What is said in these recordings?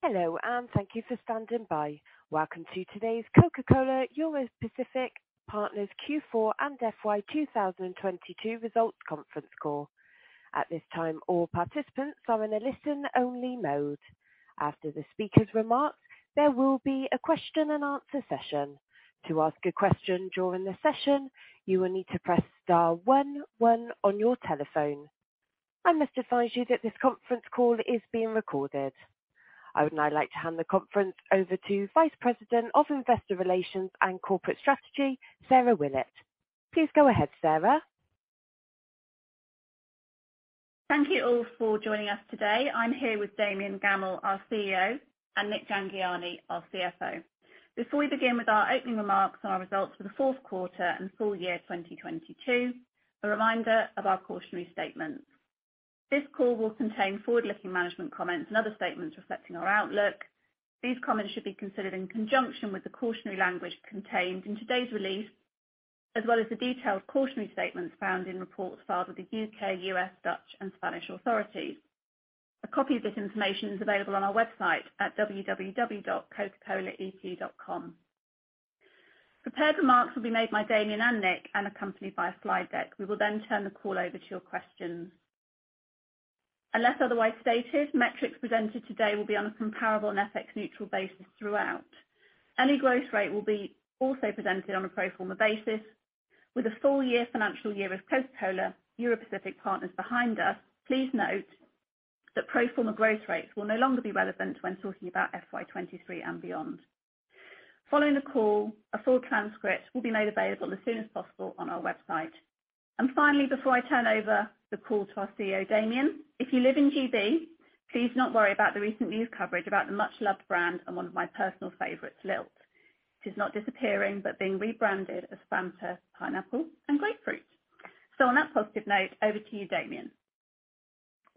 Hello, and thank you for standing by. Welcome to today's Coca-Cola Europacific Partners Q4 and FY 2022 results conference call. At this time, all participants are in a listen-only mode. After the speaker's remarks, there will be a question and answer session. To ask a question during the session, you will need to press star one one on your telephone. I must advise you that this conference call is being recorded. I would now like to hand the conference over to Vice President of Investor Relations and Corporate Strategy, Sarah Willett. Please go ahead, Sarah. Thank you all for joining us today. I'm here with Damian Gammell, our CEO, and Nik Jhangiani, our CFO. Before we begin with our opening remarks on our results for the fourth quarter and full year 2022, a reminder of our cautionary statement. This call will contain forward-looking management comments and other statements reflecting our outlook. These comments should be considered in conjunction with the cautionary language contained in today's release, as well as the detailed cautionary statements found in reports filed with the U.K., U.S., Dutch, and Spanish authorities. A copy of this information is available on our website at www.cocacolaep.com. Prepared remarks will be made by Damian and Nik and accompanied by a slide deck. We will turn the call over to your questions. Unless otherwise stated, metrics presented today will be on a comparable and FX neutral basis throughout. Any growth rate will be also presented on a pro forma basis with a full year financial year of Coca-Cola Europacific Partners behind us. Please note that pro forma growth rates will no longer be relevant when talking about FY 2023 and beyond. Following the call, a full transcript will be made available as soon as possible on our website. Finally, before I turn over the call to our CEO, Damian Gammell, if you live in GB, please not worry about the recent news coverage about the much-loved brand and one of my personal favorites, Lilt. It is not disappearing, but being rebranded as Fanta Pineapple & Grapefruit. On that positive note, over to you, Damian Gammell.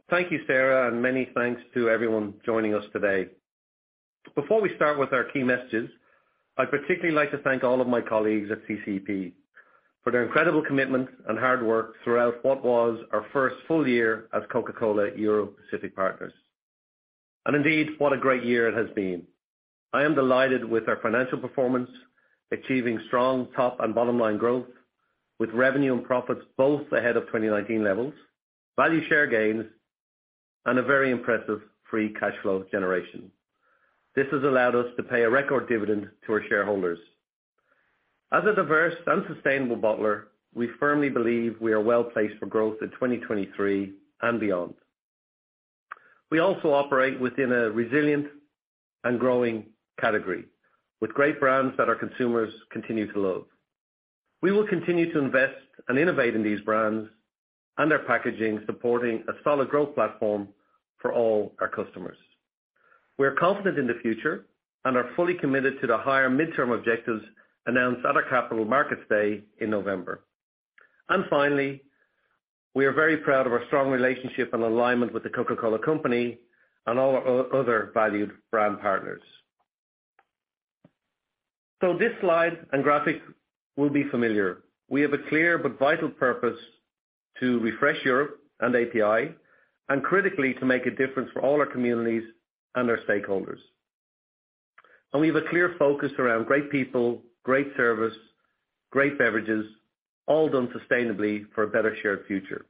Thank you, Sarah. Many thanks to everyone joining us today. Before we start with our key messages, I'd particularly like to thank all of my colleagues at CCEP for their incredible commitment and hard work throughout what was our first full year as Coca-Cola Europacific Partners. Indeed, what a great year it has been. I am delighted with our financial performance, achieving strong top and bottom line growth with revenue and profits both ahead of 2019 levels, value share gains, and a very impressive free cash flow generation. This has allowed us to pay a record dividend to our shareholders. As a diverse and sustainable bottler, we firmly believe we are well placed for growth in 2023 and beyond. We also operate within a resilient and growing category with great brands that our consumers continue to love. We will continue to invest and innovate in these brands and their packaging, supporting a solid growth platform for all our customers. We're confident in the future and are fully committed to the higher midterm objectives announced at our Capital Markets Day in November. Finally, we are very proud of our strong relationship and alignment with The Coca-Cola Company and all our other valued brand partners. This slide and graphic will be familiar. We have a clear but vital purpose to refresh Europe and API, and critically, to make a difference for all our communities and our stakeholders. We have a clear focus around great people, great service, great beverages, all done sustainably for a better shared future.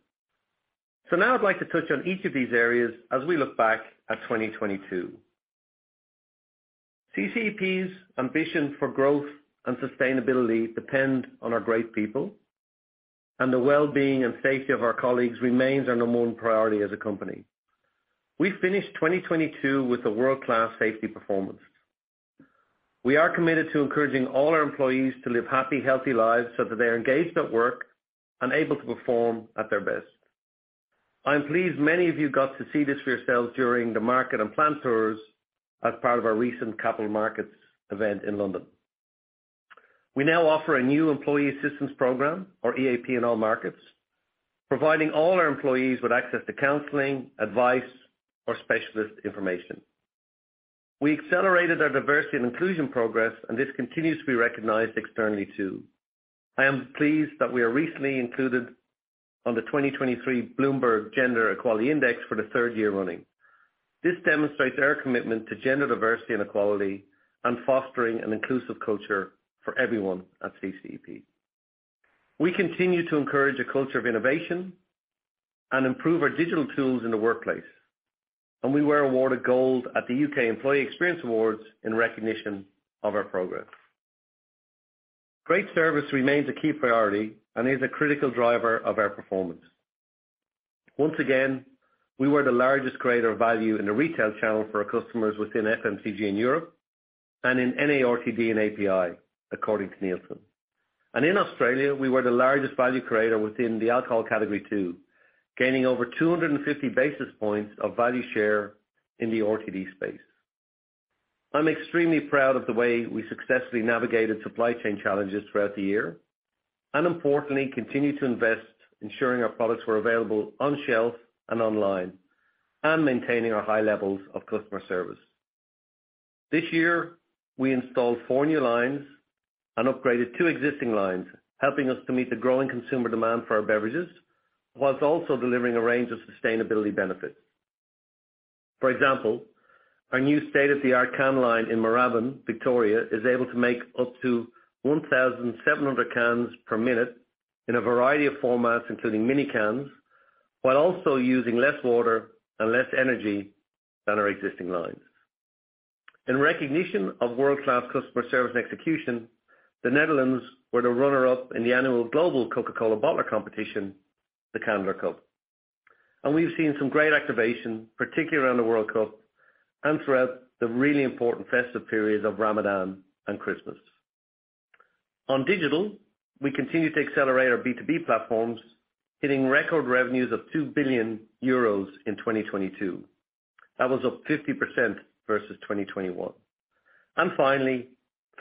Now I'd like to touch on each of these areas as we look back at 2022. CCEP's ambition for growth and sustainability depend on our great people and the well-being and safety of our colleagues remains our number one priority as a company. We finished 2022 with a world-class safety performance. We are committed to encouraging all our employees to live happy, healthy lives so that they are engaged at work and able to perform at their best. I am pleased many of you got to see this for yourselves during the market and plant tours as part of our recent capital markets event in London. We now offer a new employee assistance program or EAP in all markets, providing all our employees with access to counseling, advice, or specialist information. This continues to be recognized externally too. I am pleased that we are recently included on the 2023 Bloomberg Gender-Equality Index for the third year running. This demonstrates our commitment to gender diversity and equality and fostering an inclusive culture for everyone at CCEP. We continue to encourage a culture of innovation and improve our digital tools in the workplace. We were awarded gold at the U.K. Employee Experience Awards in recognition of our progress. Great service remains a key priority and is a critical driver of our performance. Once again, we were the largest creator of value in the retail channel for our customers within FMCG in Europe and in NARTD and API, according to Nielsen. In Australia, we were the largest value creator within the alcohol category two, gaining over 250 basis points of value share in the RTD space. I'm extremely proud of the way we successfully navigated supply chain challenges throughout the year and importantly, continued to invest ensuring our products were available on shelf and online and maintaining our high levels of customer service. This year, we installed four new lines and upgraded two existing lines, helping us to meet the growing consumer demand for our beverages, whilst also delivering a range of sustainability benefits. For example, our new state-of-the-art can line in Moorabbin, Victoria, is able to make up to 1,700 cans per minute in a variety of formats, including mini cans, while also using less water and less energy than our existing lines. In recognition of world-class customer service and execution, the Netherlands were the runner-up in the annual Global Coca-Cola Bottler Competition, the Candler Cup. We've seen some great activation, particularly around the World Cup and throughout the really important festive periods of Ramadan and Christmas. On digital, we continue to accelerate our B2B platforms, hitting record revenues of 2 billion euros in 2022. That was up 50% versus 2021. Finally,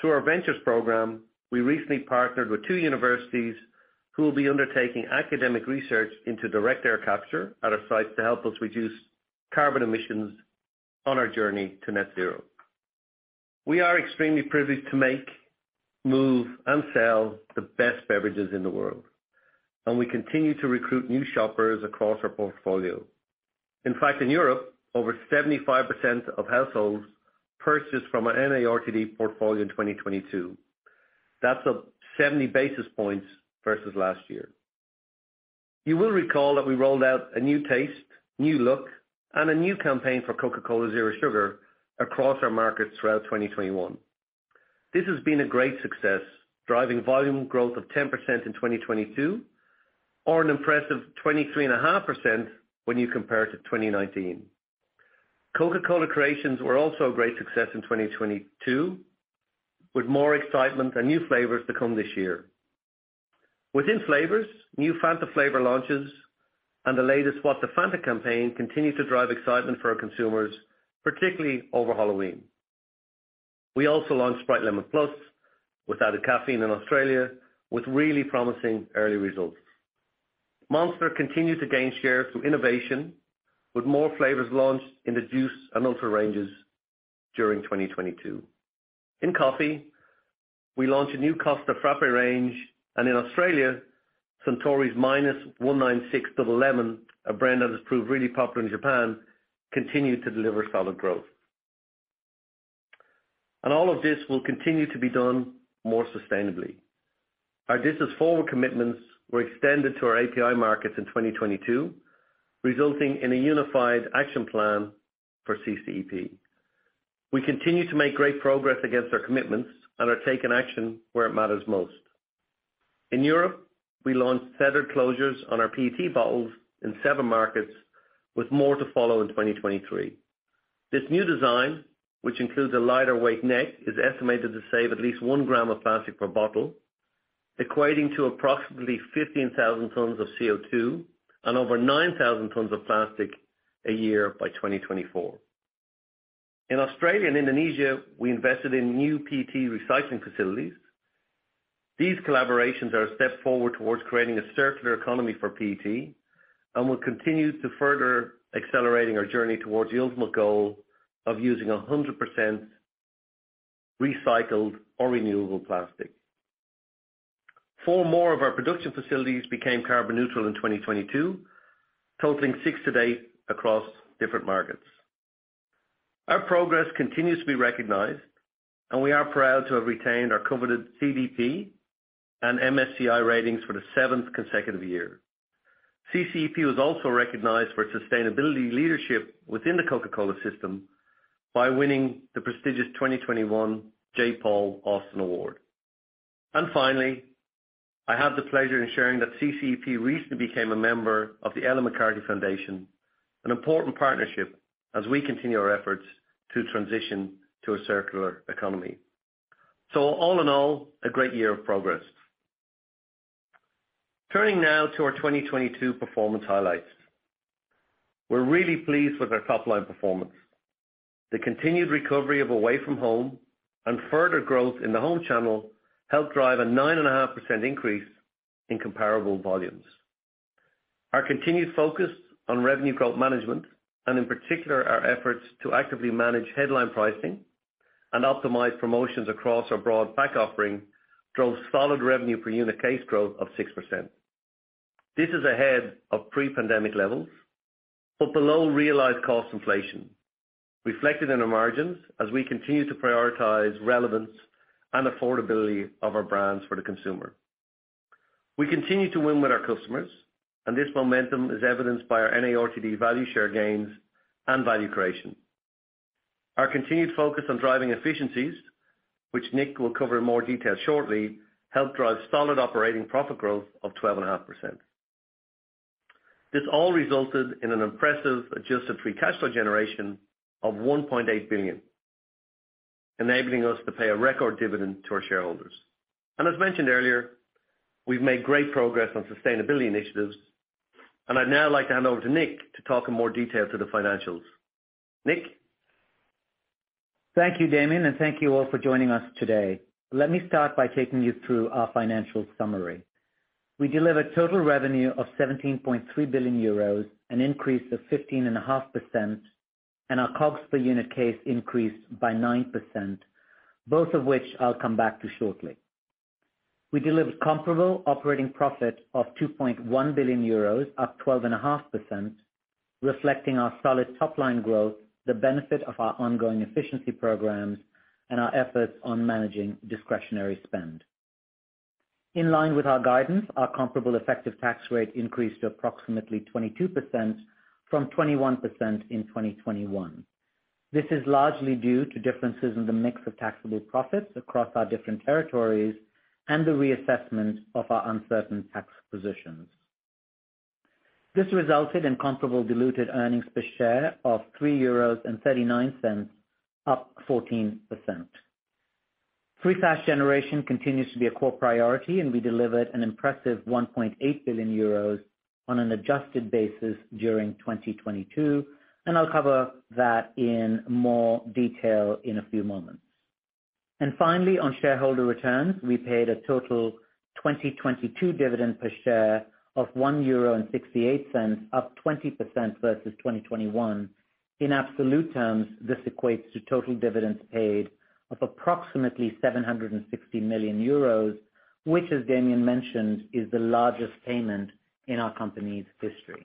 through our ventures program, we recently partnered with two universities who will be undertaking academic research into direct air capture at our sites to help us reduce carbon emissions on our journey to net zero. We are extremely privileged to make, move, and sell the best beverages in the world, and we continue to recruit new shoppers across our portfolio. In fact, in Europe, over 75% of households purchased from our NARTD portfolio in 2022. That's up 70 basis points versus last year. You will recall that we rolled out a new taste, new look, and a new campaign for Coca-Cola Zero Sugar across our markets throughout 2021. This has been a great success, driving volume growth of 10% in 2022, or an impressive 23.5% when you compare to 2019. Coca-Cola Creations were also a great success in 2022, with more excitement and new flavors to come this year. Within flavors, new Fanta flavor launches and the latest What the Fanta campaign continued to drive excitement for our consumers, particularly over Halloween. We also launched Sprite Lemon Plus with added caffeine in Australia, with really promising early results. Monster continued to gain share through innovation, with more flavors launched in the juice and ultra ranges during 2022. In coffee, we launched a new Costa Frappé range, in Australia, Suntory's -196 Double Lemon, a brand that has proved really popular in Japan, continued to deliver solid growth. All of this will continue to be done more sustainably. Our This is Forward commitments were extended to our API markets in 2022, resulting in a unified action plan for CCEP. We continue to make great progress against our commitments and are taking action where it matters most. In Europe, we launched tethered closures on our PET bottles in seven markets, with more to follow in 2023. This new design, which includes a lighter weight neck, is estimated to save at least one gram of plastic per bottle, equating to approximately 15,000 tons of CO2 and over 9,000 tons of plastic a year by 2024. In Australia and Indonesia, we invested in new PET recycling facilities. These collaborations are a step forward towards creating a circular economy for PET and will continue to further accelerating our journey towards the ultimate goal of using 100% recycled or renewable plastic. Four more of our production facilities became carbon neutral in 2022, totaling six to date across different markets. Our progress continues to be recognized, and we are proud to have retained our coveted CDP and MSCI ratings for the seventh consecutive year. CCEP was also recognized for its sustainability leadership within the Coca-Cola system by winning the prestigious 2021 J. Paul Austin Award. Finally, I have the pleasure in sharing that CCEP recently became a member of the Ellen MacArthur Foundation, an important partnership as we continue our efforts to transition to a circular economy. All in all, a great year of progress. Turning now to our 2022 performance highlights. We're really pleased with our top-line performance. The continued recovery of away from home and further growth in the home channel helped drive a 9.5% increase in comparable volumes. Our continued focus on Revenue Growth Management, and in particular, our efforts to actively manage headline pricing and optimize promotions across our broad pack offering, drove solid revenue per unit case growth of 6%. This is ahead of pre-pandemic levels but below realized cost inflation, reflected in our margins as we continue to prioritize relevance and affordability of our brands for the consumer. We continue to win with our customers, and this momentum is evidenced by our NARTD value share gains and value creation. Our continued focus on driving efficiencies, which Nik will cover in more detail shortly, helped drive solid operating profit growth of 12.5%. This all resulted in an impressive adjusted free cash flow generation of 1.8 billion, enabling us to pay a record dividend to our shareholders. As mentioned earlier, we've made great progress on sustainability initiatives, and I'd now like to hand over to Nik to talk in more detail to the financials. Nik? Thank you, Damian, and thank you all for joining us today. Let me start by taking you through our financial summary. We delivered total revenue of 17.3 billion euros, an increase of 15.5%, and our COGS per unit case increased by 9%, both of which I'll come back to shortly. We delivered comparable operating profit of 2.1 billion euros, up 12.5%, reflecting our solid top-line growth, the benefit of our ongoing efficiency programs, and our efforts on managing discretionary spend. In line with our guidance, our comparable effective tax rate increased to approximately 22% from 21% in 2021. This is largely due to differences in the mix of taxable profits across our different territories and the reassessment of our uncertain tax positions. This resulted in comparable diluted earnings per share of 3.39 euros, up 14%. Free cash generation continues to be a core priority. We delivered an impressive 1.8 billion euros on an adjusted basis during 2022, and I'll cover that in more detail in a few moments. Finally, on shareholder returns, we paid a total 2022 dividend per share of 1.68 euro, up 20% versus 2021. In absolute terms, this equates to total dividends paid of approximately 760 million euros, which as Damian mentioned, is the largest payment in our company's history.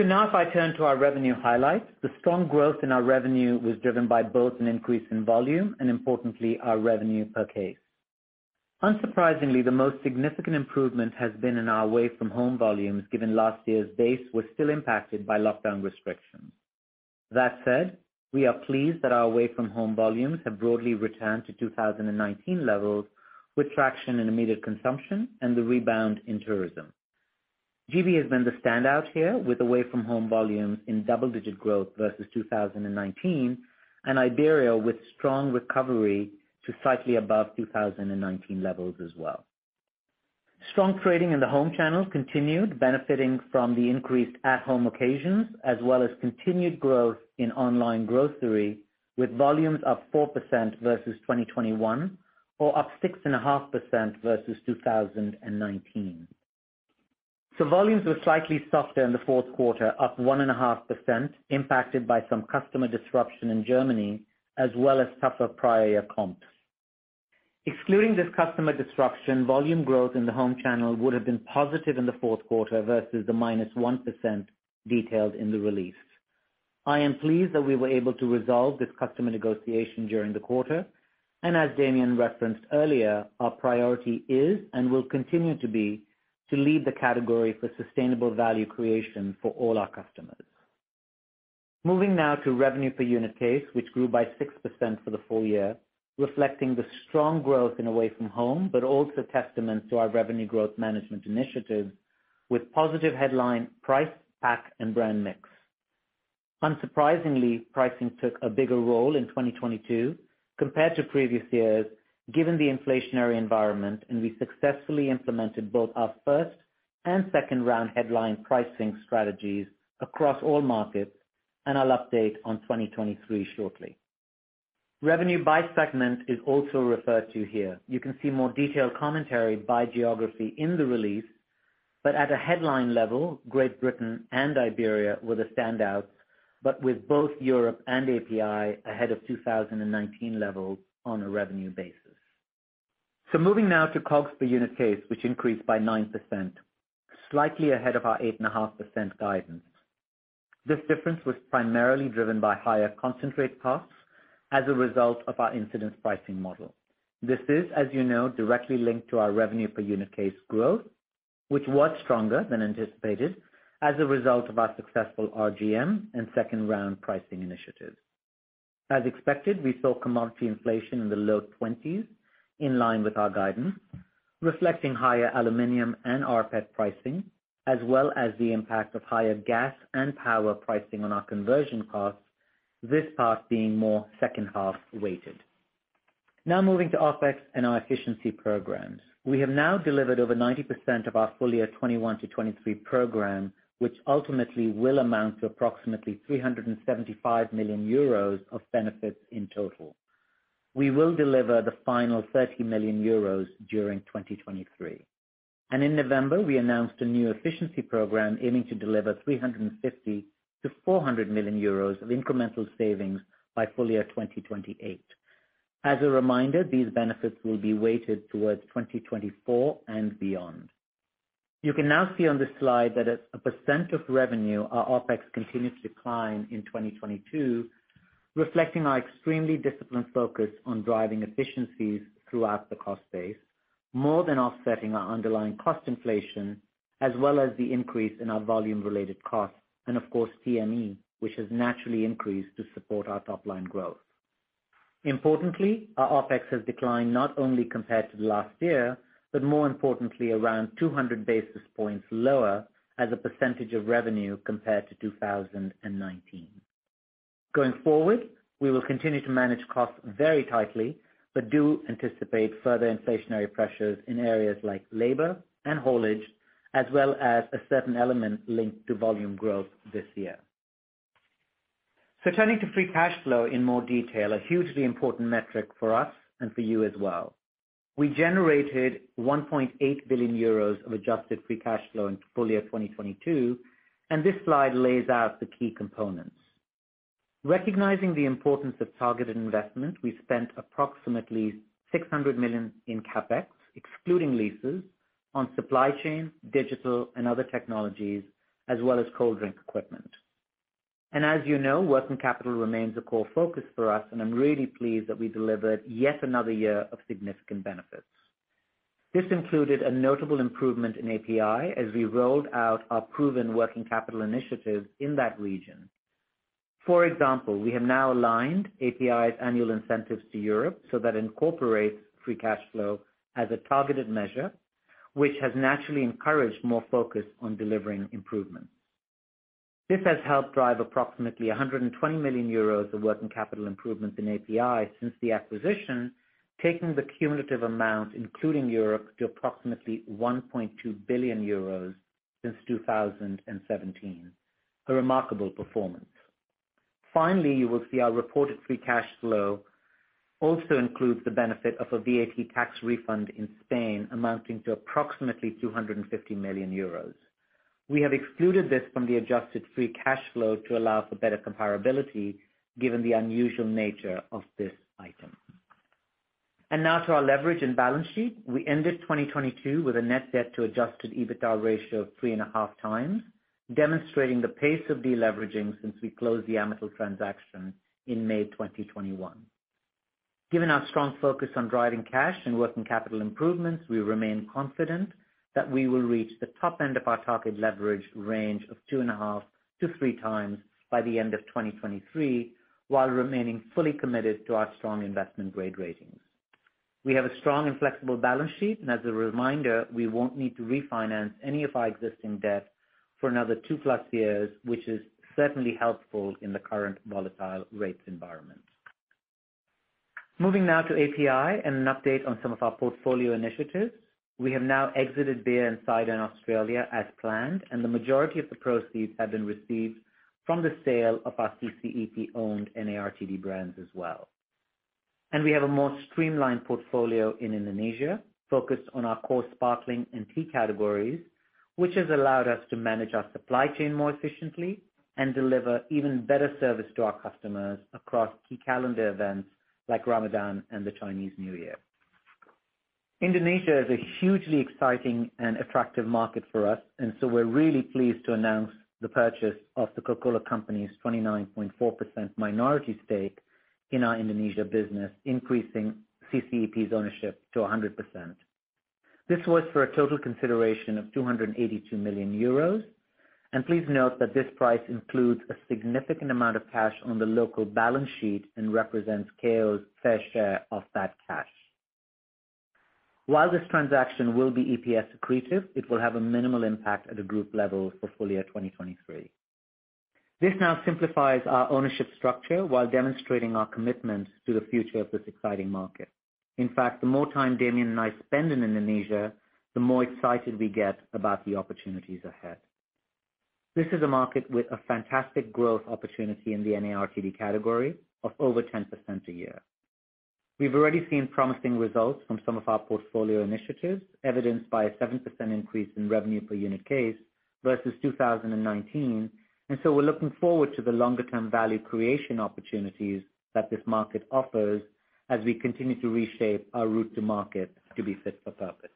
Now if I turn to our revenue highlights, the strong growth in our revenue was driven by both an increase in volume and importantly, our revenue per case. Unsurprisingly, the most significant improvement has been in our away from home volumes, given last year's base was still impacted by lockdown restrictions. That said, we are pleased that our away from home volumes have broadly returned to 2019 levels, with traction in immediate consumption and the rebound in tourism. GB has been the standout here with away from home volumes in double-digit growth versus 2019, and Iberia with strong recovery to slightly above 2019 levels as well. Strong trading in the home channel continued, benefiting from the increased at home occasions as well as continued growth in online grocery, with volumes up 4% versus 2021, or up 6.5% versus 2019. Volumes were slightly softer in the fourth quarter, up 1.5%, impacted by some customer disruption in Germany, as well as tougher prior year comps. Excluding this customer disruption, volume growth in the home channel would have been positive in the fourth quarter versus the -1% detailed in the release. I am pleased that we were able to resolve this customer negotiation during the quarter. As Damian referenced earlier, our priority is and will continue to be to lead the category for sustainable value creation for all our customers. Moving now to revenue per unit case, which grew by 6% for the full year, reflecting the strong growth in away from home, but also testament to our revenue growth management initiative with positive headline price, pack, and brand mix. Unsurprisingly, pricing took a bigger role in 2022 compared to previous years, given the inflationary environment. We successfully implemented both our first and second-round headline pricing strategies across all markets. I'll update on 2023 shortly. Revenue by segment is also referred to here. You can see more detailed commentary by geography in the release, at a headline level, Great Britain and Iberia were the standouts, with both Europe and API ahead of 2019 levels on a revenue basis. Moving now to COGS per unit case, which increased by 9%, slightly ahead of our 8.5% guidance. This difference was primarily driven by higher concentrate costs as a result of our incident pricing model. This is, as you know, directly linked to our revenue per unit case growth, which was stronger than anticipated as a result of our successful RGM and second-round pricing initiative. As expected, we saw commodity inflation in the low 20s, in line with our guidance, reflecting higher aluminum and rPET pricing, as well as the impact of higher gas and power pricing on our conversion costs, this part being more second-half weighted. Moving to OpEx and our efficiency programs. We have now delivered over 90% of our full year 2021-2023 program, which ultimately will amount to approximately 375 million euros of benefits in total. We will deliver the final 30 million euros during 2023. In November, we announced a new efficiency program aiming to deliver 350 million-400 million euros of incremental savings by full year 2028. As a reminder, these benefits will be weighted towards 2024 and beyond. You can now see on this slide that as a % of revenue, our OpEx continued to decline in 2022, reflecting our extremely disciplined focus on driving efficiencies throughout the cost base, more than offsetting our underlying cost inflation, as well as the increase in our volume related costs, and of course, TME, which has naturally increased to support our top line growth. Importantly, our OpEx has declined not only compared to last year, but more importantly, around 200 basis points lower as a % of revenue compared to 2019. Going forward, we will continue to manage costs very tightly, but do anticipate further inflationary pressures in areas like labor and haulage, as well as a certain element linked to volume growth this year. Turning to free cash flow in more detail, a hugely important metric for us and for you as well. We generated 1.8 billion euros of adjusted free cash flow in full year 2022, and this slide lays out the key components. Recognizing the importance of targeted investment, we spent approximately 600 million in CapEx, excluding leases, on supply chain, digital and other technologies, as well as cold drink equipment. As you know, working capital remains a core focus for us, and I'm really pleased that we delivered yet another year of significant benefits. This included a notable improvement in API as we rolled out our proven working capital initiative in that region. For example, we have now aligned API's annual incentives to Europe so that incorporates free cash flow as a targeted measure, which has naturally encouraged more focus on delivering improvements. This has helped drive approximately 120 million euros of working capital improvements in API since the acquisition, taking the cumulative amount, including Europe, to approximately 1.2 billion euros since 2017. A remarkable performance. Finally, you will see our reported free cash flow also includes the benefit of a VAT tax refund in Spain amounting to approximately 250 million euros. We have excluded this from the adjusted free cash flow to allow for better comparability given the unusual nature of this item. Now to our leverage and balance sheet. We ended 2022 with a net debt to adjusted EBITDA ratio of 3.5x, demonstrating the pace of deleveraging since we closed the Amatil transaction in May 2021. Given our strong focus on driving cash and working capital improvements, we remain confident that we will reach the top end of our target leverage range of 2.5-3x by the end of 2023, while remaining fully committed to our strong investment-grade ratings. We have a strong and flexible balance sheet and as a reminder, we won't need to refinance any of our existing debt for another two plus years, which is certainly helpful in the current volatile rates environment. Moving now to API and an update on some of our portfolio initiatives. We have now exited beer and cider in Australia as planned, the majority of the proceeds have been received from the sale of our CCEP-owned NARTD brands as well. We have a more streamlined portfolio in Indonesia focused on our core sparkling and tea categories, which has allowed us to manage our supply chain more efficiently and deliver even better service to our customers across key calendar events like Ramadan and the Chinese New Year. Indonesia is a hugely exciting and attractive market for us, we're really pleased to announce the purchase of The Coca-Cola Company's 29.4 minority stake in our Indonesia business, increasing CCEP's ownership to 100%. This was for a total consideration of 282 million euros. Please note that this price includes a significant amount of cash on the local balance sheet and represents KO's fair share of that cash. While this transaction will be EPS accretive, it will have a minimal impact at a group level for full year 2023. This now simplifies our ownership structure while demonstrating our commitment to the future of this exciting market. In fact, the more time Damian and I spend in Indonesia, the more excited we get about the opportunities ahead. This is a market with a fantastic growth opportunity in the NARTD category of over 10% a year. We've already seen promising results from some of our portfolio initiatives, evidenced by a 7% increase in revenue per unit case versus 2019. We're looking forward to the longer-term value creation opportunities that this market offers as we continue to reshape our route to market to be fit for purpose.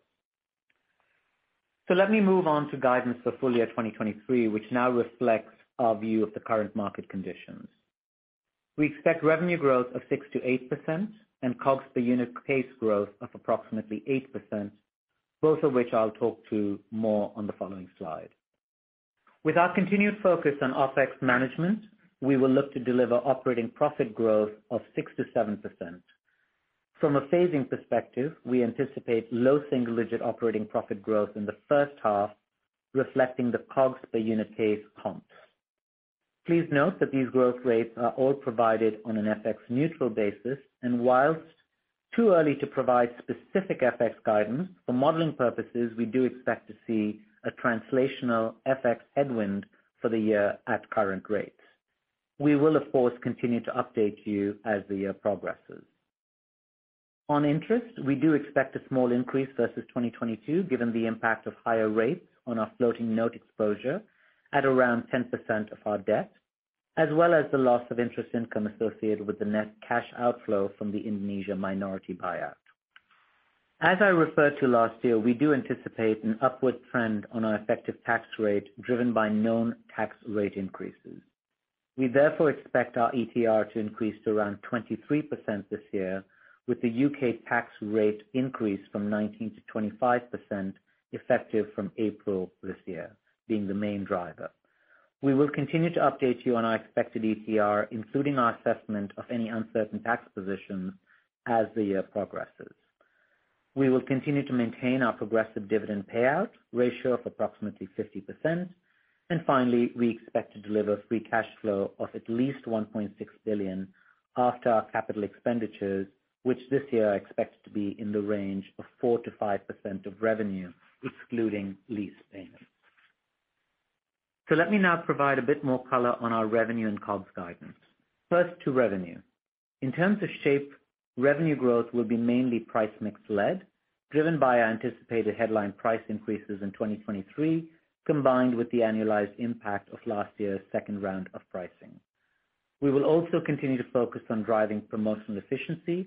Let me move on to guidance for full year 2023, which now reflects our view of the current market conditions. We expect revenue growth of 6%-8% and COGS per unit case growth of approximately 8%, both of which I'll talk to more on the following slide. With our continued focus on OpEx management, we will look to deliver operating profit growth of 6%-7%. From a phasing perspective, we anticipate low single-digit operating profit growth in the first half, reflecting the COGS per unit case comps. Please note that these growth rates are all provided on an FX neutral basis and whilst too early to provide specific FX guidance, for modeling purposes we do expect to see a translational FX headwind for the year at current rates. We will of course continue to update you as the year progresses. On interest, we do expect a small increase versus 2022, given the impact of higher rates on our floating note exposure at around 10% of our debt, as well as the loss of interest income associated with the net cash outflow from the Indonesia minority buyout. As I referred to last year, we do anticipate an upward trend on our effective tax rate, driven by known tax rate increases. We therefore expect our ETR to increase to around 23% this year, with the U.K. tax rate increase from 19%-25% effective from April this year being the main driver. We will continue to update you on our expected ETR, including our assessment of any uncertain tax positions as the year progresses. We will continue to maintain our progressive dividend payout ratio of approximately 50%. Finally, we expect to deliver free cash flow of at least 1.6 billion after our CapEx, which this year are expected to be in the range of 4%-5% of revenue, excluding lease payments. Let me now provide a bit more color on our revenue and COGS guidance. In terms of shape, revenue growth will be mainly price mix led, driven by our anticipated headline price increases in 2023, combined with the annualized impact of last year's second round of pricing. We will also continue to focus on driving promotional efficiency,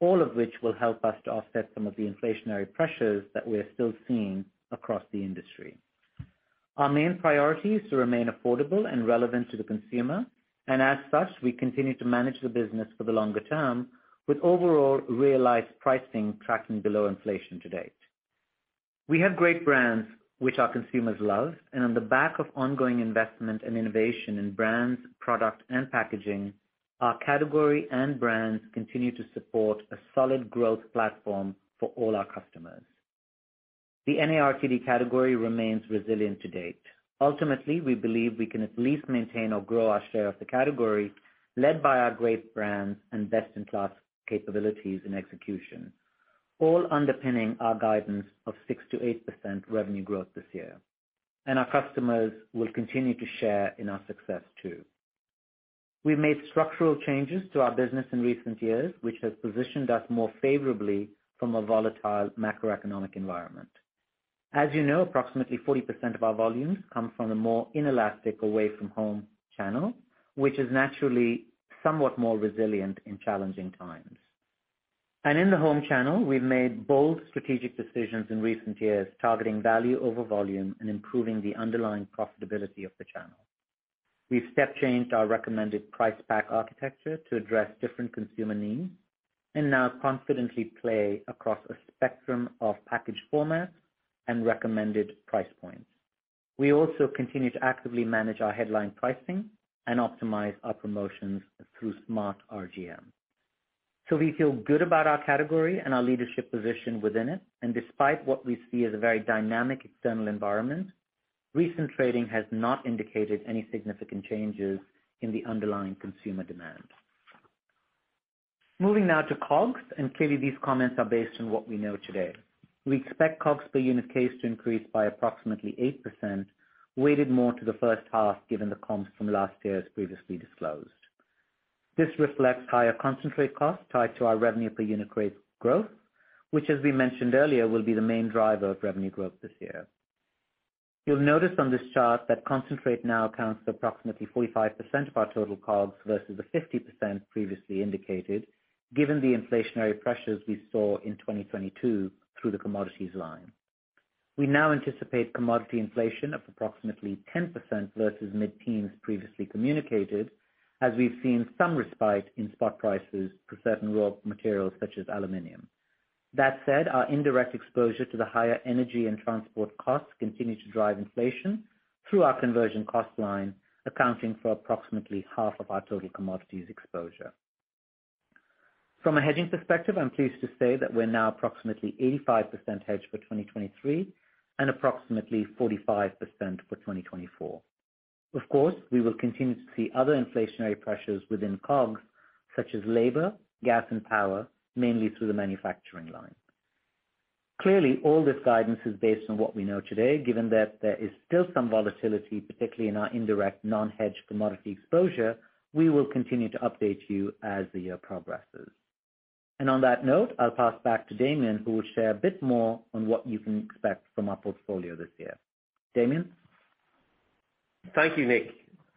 all of which will help us to offset some of the inflationary pressures that we're still seeing across the industry. Our main priority is to remain affordable and relevant to the consumer, and as such, we continue to manage the business for the longer term with overall realized pricing tracking below inflation to date. We have great brands which our consumers love, and on the back of ongoing investment and innovation in brands, product and packaging, our category and brands continue to support a solid growth platform for all our customers. The NARTD category remains resilient to date. Ultimately, we believe we can at least maintain or grow our share of the category led by our great brands and best-in-class capabilities and execution, all underpinning our guidance of 6%-8% revenue growth this year. Our customers will continue to share in our success too. We've made structural changes to our business in recent years, which has positioned us more favorably from a volatile macroeconomic environment. As you know, approximately 40% of our volumes come from a more inelastic away-from-home channel, which is naturally somewhat more resilient in challenging times. In the home channel, we've made bold strategic decisions in recent years, targeting value over volume and improving the underlying profitability of the channel. We've step changed our recommended price pack architecture to address different consumer needs and now confidently play across a spectrum of package formats and recommended price points. We also continue to actively manage our headline pricing and optimize our promotions through smart RGM. We feel good about our category and our leadership position within it. Despite what we see as a very dynamic external environment, recent trading has not indicated any significant changes in the underlying consumer demand. Moving now to COGS, clearly these comments are based on what we know today. We expect COGS per unit case to increase by approximately 8%, weighted more to the first half, given the comps from last year as previously disclosed. This reflects higher concentrate costs tied to our revenue per unit rate growth, which as we mentioned earlier, will be the main driver of revenue growth this year. You'll notice on this chart that concentrate now accounts for approximately 45% of our total COGS versus the 50% previously indicated, given the inflationary pressures we saw in 2022 through the commodities line. We now anticipate commodity inflation of approximately 10% versus mid-teens previously communicated, as we've seen some respite in spot prices for certain raw materials such as aluminum. Our indirect exposure to the higher energy and transport costs continue to drive inflation through our conversion cost line, accounting for approximately half of our total commodities exposure. From a hedging perspective, I'm pleased to say that we're now approximately 85% hedged for 2023 and approximately 45% for 2024. We will continue to see other inflationary pressures within COGS, such as labor, gas, and power, mainly through the manufacturing line. Clearly, all this guidance is based on what we know today, given that there is still some volatility, particularly in our indirect non-hedged commodity exposure. We will continue to update you as the year progresses. On that note, I'll pass back to Damian, who will share a bit more on what you can expect from our portfolio this year. Damian? Thank you, Nik.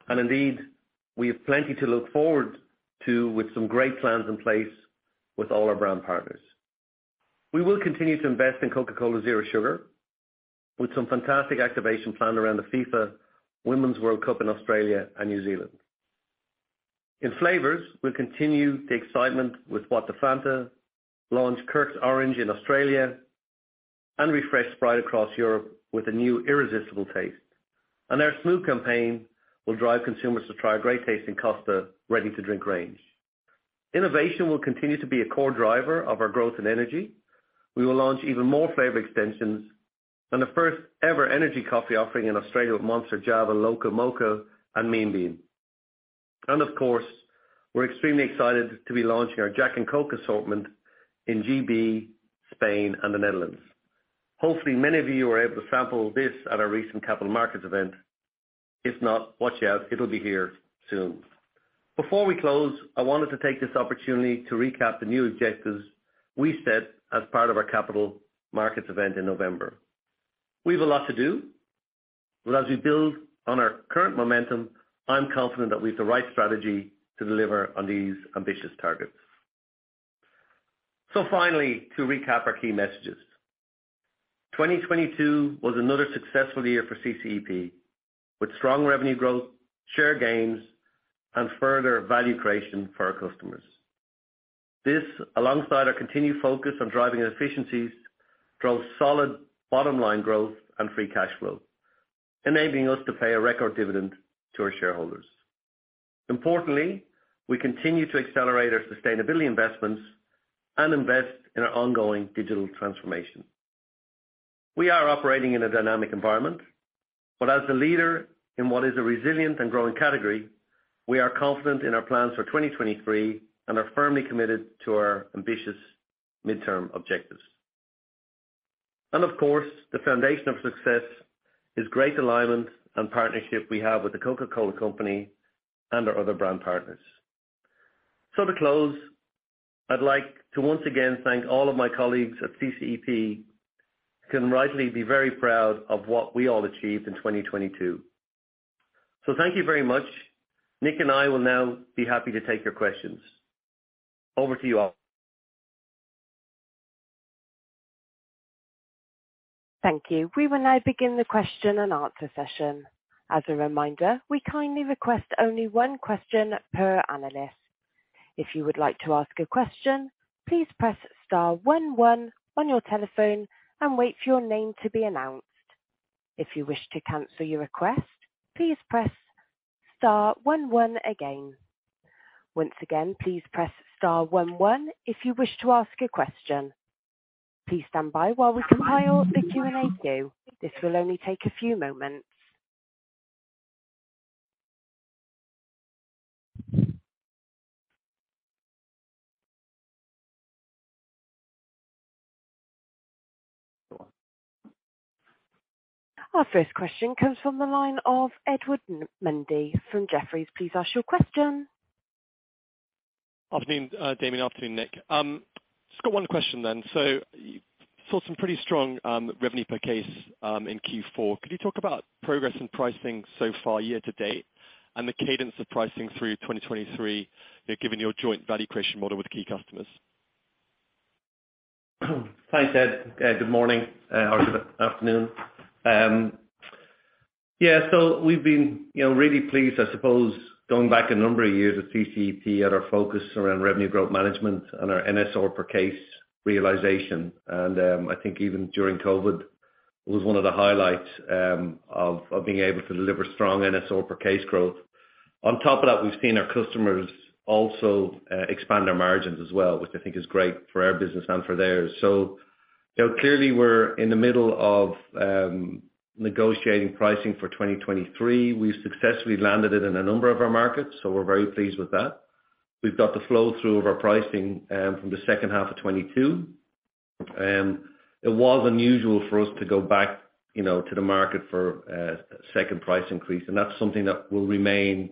Indeed, we have plenty to look forward to with some great plans in place with all our brand partners. We will continue to invest in Coca-Cola Zero Sugar with some fantastic activation planned around the FIFA Women's World Cup in Australia and New Zealand. In flavors, we'll continue the excitement with What the Fanta, launch Kirks Orange in Australia, and refresh Sprite across Europe with a new irresistible taste. Our Smooth campaign will drive consumers to try a great tasting Costa ready-to-drink range. Innovation will continue to be a core driver of our growth and energy. We will launch even more flavor extensions and the first ever energy coffee offering in Australia with Java Monster Loca Moca and Java Monster Mean Bean. Of course, we're extremely excited to be launching our Jack Daniel's & Coca-Cola assortment in GB, Spain and the Netherlands. Hopefully, many of you were able to sample this at our recent capital markets event. If not, watch out, it'll be here soon. Before we close, I wanted to take this opportunity to recap the new objectives we set as part of our capital markets event in November. We have a lot to do, but as we build on our current momentum, I'm confident that we have the right strategy to deliver on these ambitious targets. Finally, to recap our key messages. 2022 was another successful year for CCEP, with strong revenue growth, share gains, and further value creation for our customers. This, alongside our continued focus on driving efficiencies, drove solid bottom line growth and free cash flow, enabling us to pay a record dividend to our shareholders. Importantly, we continue to accelerate our sustainability investments and invest in our ongoing digital transformation. We are operating in a dynamic environment, as the leader in what is a resilient and growing category, we are confident in our plans for 2023 and are firmly committed to our ambitious agenda Midterm objectives. Of course, the foundation of success is great alignment and partnership we have with The Coca-Cola Company and our other brand partners. To close, I'd like to once again thank all of my colleagues at CCEP, can rightly be very proud of what we all achieved in 2022. Thank you very much. Nik and I will now be happy to take your questions. Over to you all. Thank you. We will now begin the question and answer session. As a reminder, we kindly request only one question per analyst. If you would like to ask a question, please press star one one on your telephone and wait for your name to be announced. If you wish to cancel your request, please press star one one again. Once again, please press star one one if you wish to ask a question. Please stand by while we compile the Q&A queue. This will only take a few moments. Our first question comes from the line of Ed Mundy from Jefferies. Please ask your question. Afternoon, Damian. Afternoon, Nik. Just got one question. You saw some pretty strong revenue per case in Q4. Could you talk about progress in pricing so far year to date and the cadence of pricing through 2023, you know, given your joint value creation model with key customers? Thanks, Ed. Good morning or good afternoon. Yeah, so we've been, you know, really pleased, I suppose, going back a number of years at CCEP and our focus around revenue growth management and our NSR or per case realization. I think even during COVID, it was one of the highlights of being able to deliver strong NSR or per case growth. On top of that, we've seen our customers also expand their margins as well, which I think is great for our business and for theirs. You know, clearly we're in the middle of negotiating pricing for 2023. We've successfully landed it in a number of our markets, so we're very pleased with that. We've got the flow through of our pricing from the second half of 2022. It was unusual for us to go back, you know, to the market for a second price increase, and that's something that will remain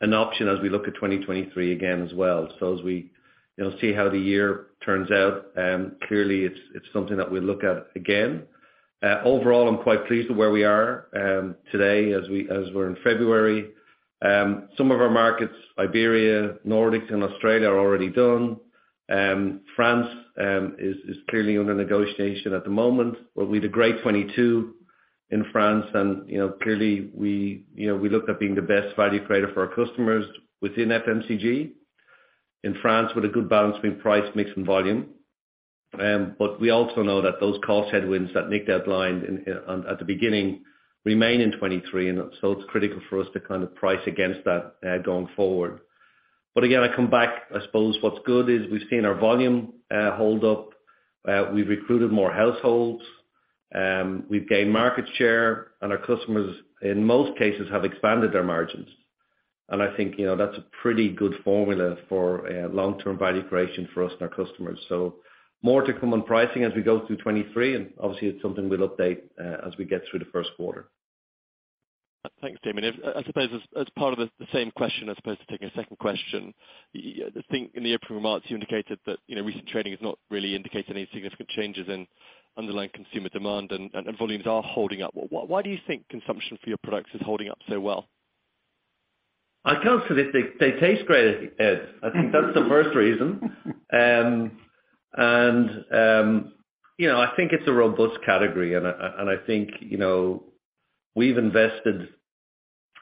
an option as we look at 2023 again as well. As we, you know, see how the year turns out, clearly it's something that we look at again. Overall I'm quite pleased with where we are today as we're in February. Some of our markets, Iberia, Nordics and Australia, are already done. France is clearly under negotiation at the moment. We had a great 2022 in France and, you know, clearly we, you know, we looked at being the best value creator for our customers within FMCG. In France with a good balance between price mix and volume. We also know that those cost headwinds that Nik outlined in at the beginning remain in 2023, and so it's critical for us to kind of price against that going forward. Again, I come back, I suppose what's good is we've seen our volume hold up. We've recruited more households, we've gained market share, and our customers, in most cases, have expanded their margins. I think, you know, that's a pretty good formula for long-term value creation for us and our customers. More to come on pricing as we go through 2023, and obviously it's something we'll update as we get through the first quarter. Thanks, Damian. I suppose as part of the same question, as opposed to taking a second question, you know, I think in the opening remarks you indicated that, you know, recent trading has not really indicated any significant changes in underlying consumer demand and volumes are holding up. Why do you think consumption for your products is holding up so well? I can't say that they taste great, Ed. I think that's the first reason. You know, I think it's a robust category and I think, you know, we've invested,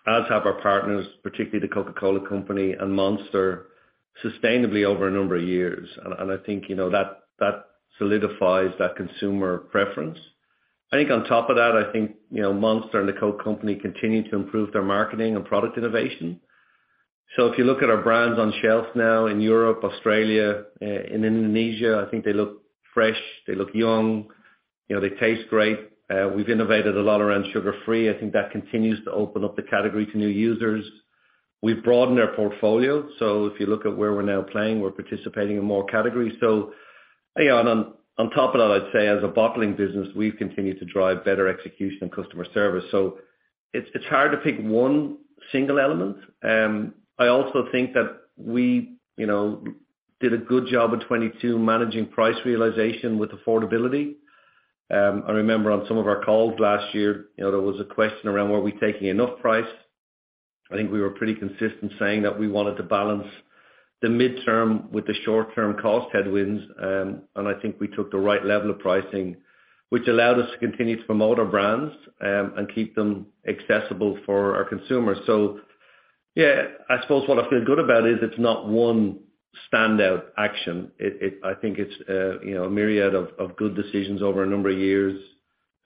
as have our partners, particularly The Coca-Cola Company and Monster, sustainably over a number of years. I think, you know, that solidifies that consumer preference. I think on top of that, I think, you know, Monster and the Coke company continue to improve their marketing and product innovation. If you look at our brands on shelves now in Europe, Australia, in Indonesia, I think they look fresh, they look young, you know, they taste great. We've innovated a lot around sugar-free. I think that continues to open up the category to new users. We've broadened our portfolio. If you look at where we're now playing, we're participating in more categories. You know, on top of that, I'd say as a bottling business, we've continued to drive better execution and customer service. It's hard to pick one single element. I also think that we, you know, did a good job in 2022 managing price realization with affordability. I remember on some of our calls last year, you know, there was a question around were we taking enough price. I think we were pretty consistent saying that we wanted to balance the midterm with the short-term cost headwinds. I think we took the right level of pricing, which allowed us to continue to promote our brands and keep them accessible for our consumers. Yeah, I suppose what I feel good about is it's not one standout action. I think it's, you know, a myriad of good decisions over a number of years,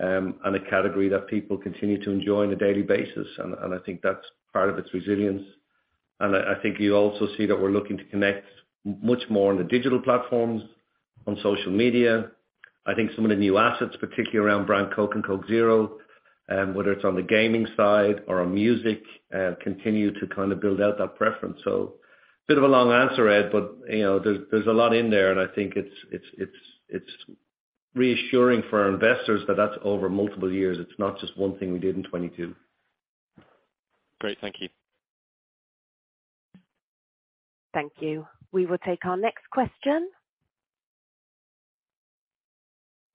and a category that people continue to enjoy on a daily basis. I think that's part of its resilience. I think you also see that we're looking to connect much more on the digital platforms, on social media. I think some of the new assets, particularly around brand Coke and Coke Zero, whether it's on the gaming side or on music, continue to kind of build out that preference. A bit of a long answer, Ed, but, you know, there's a lot in there, and I think it's reassuring for our investors that that's over multiple years. It's not just one thing we did in 2022. Great. Thank you. Thank you. We will take our next question.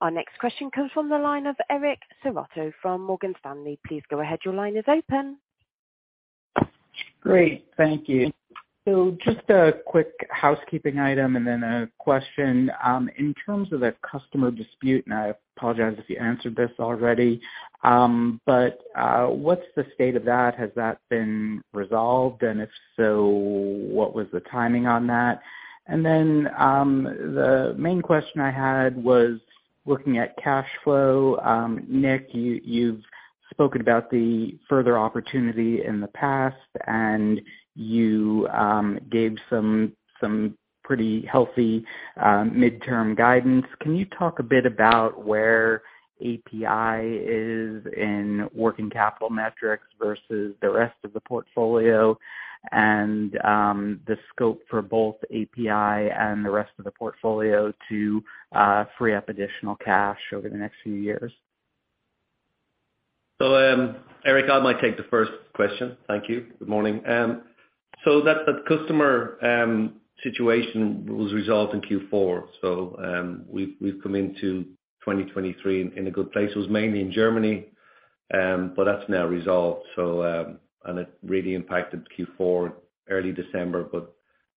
Our next question comes from the line of Eric Serotta from Morgan Stanley. Please go ahead. Your line is open. Great, thank you. Just a quick housekeeping item and then a question. In terms of the customer dispute, and I apologize if you answered this already, but what's the state of that? Has that been resolved? If so, what was the timing on that? Then the main question I had was looking at cash flow. Nik, you've spoken about the further opportunity in the past, and you gave some pretty healthy midterm guidance. Can you talk a bit about where API is in working capital metrics versus the rest of the portfolio and the scope for both API and the rest of the portfolio to free up additional cash over the next few years? Eric, I might take the first question. Thank you. Good morning. That customer situation was resolved in Q4. We've come into 2023 in a good place. It was mainly in Germany, but that's now resolved. And it really impacted Q4, early December.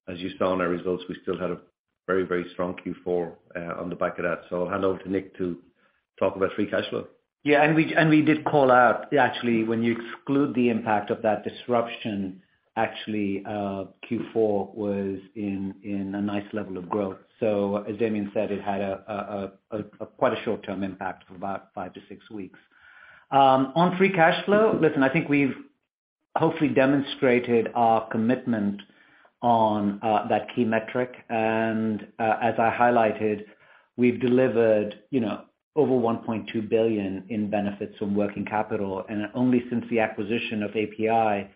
As you saw in our results, we still had a very strong Q4 on the back of that. I'll hand over to Nik to talk about free cash flow. We, and we did call out actually, when you exclude the impact of that disruption, actually, Q4 was in a nice level of growth. As Damian said, it had a quite a short-term impact of about five-six weeks. On free cash flow, listen, I think we've hopefully demonstrated our commitment on that key metric. As I highlighted, we've delivered, you know, over 1.2 billion in benefits from working capital. Only since the acquisition of API,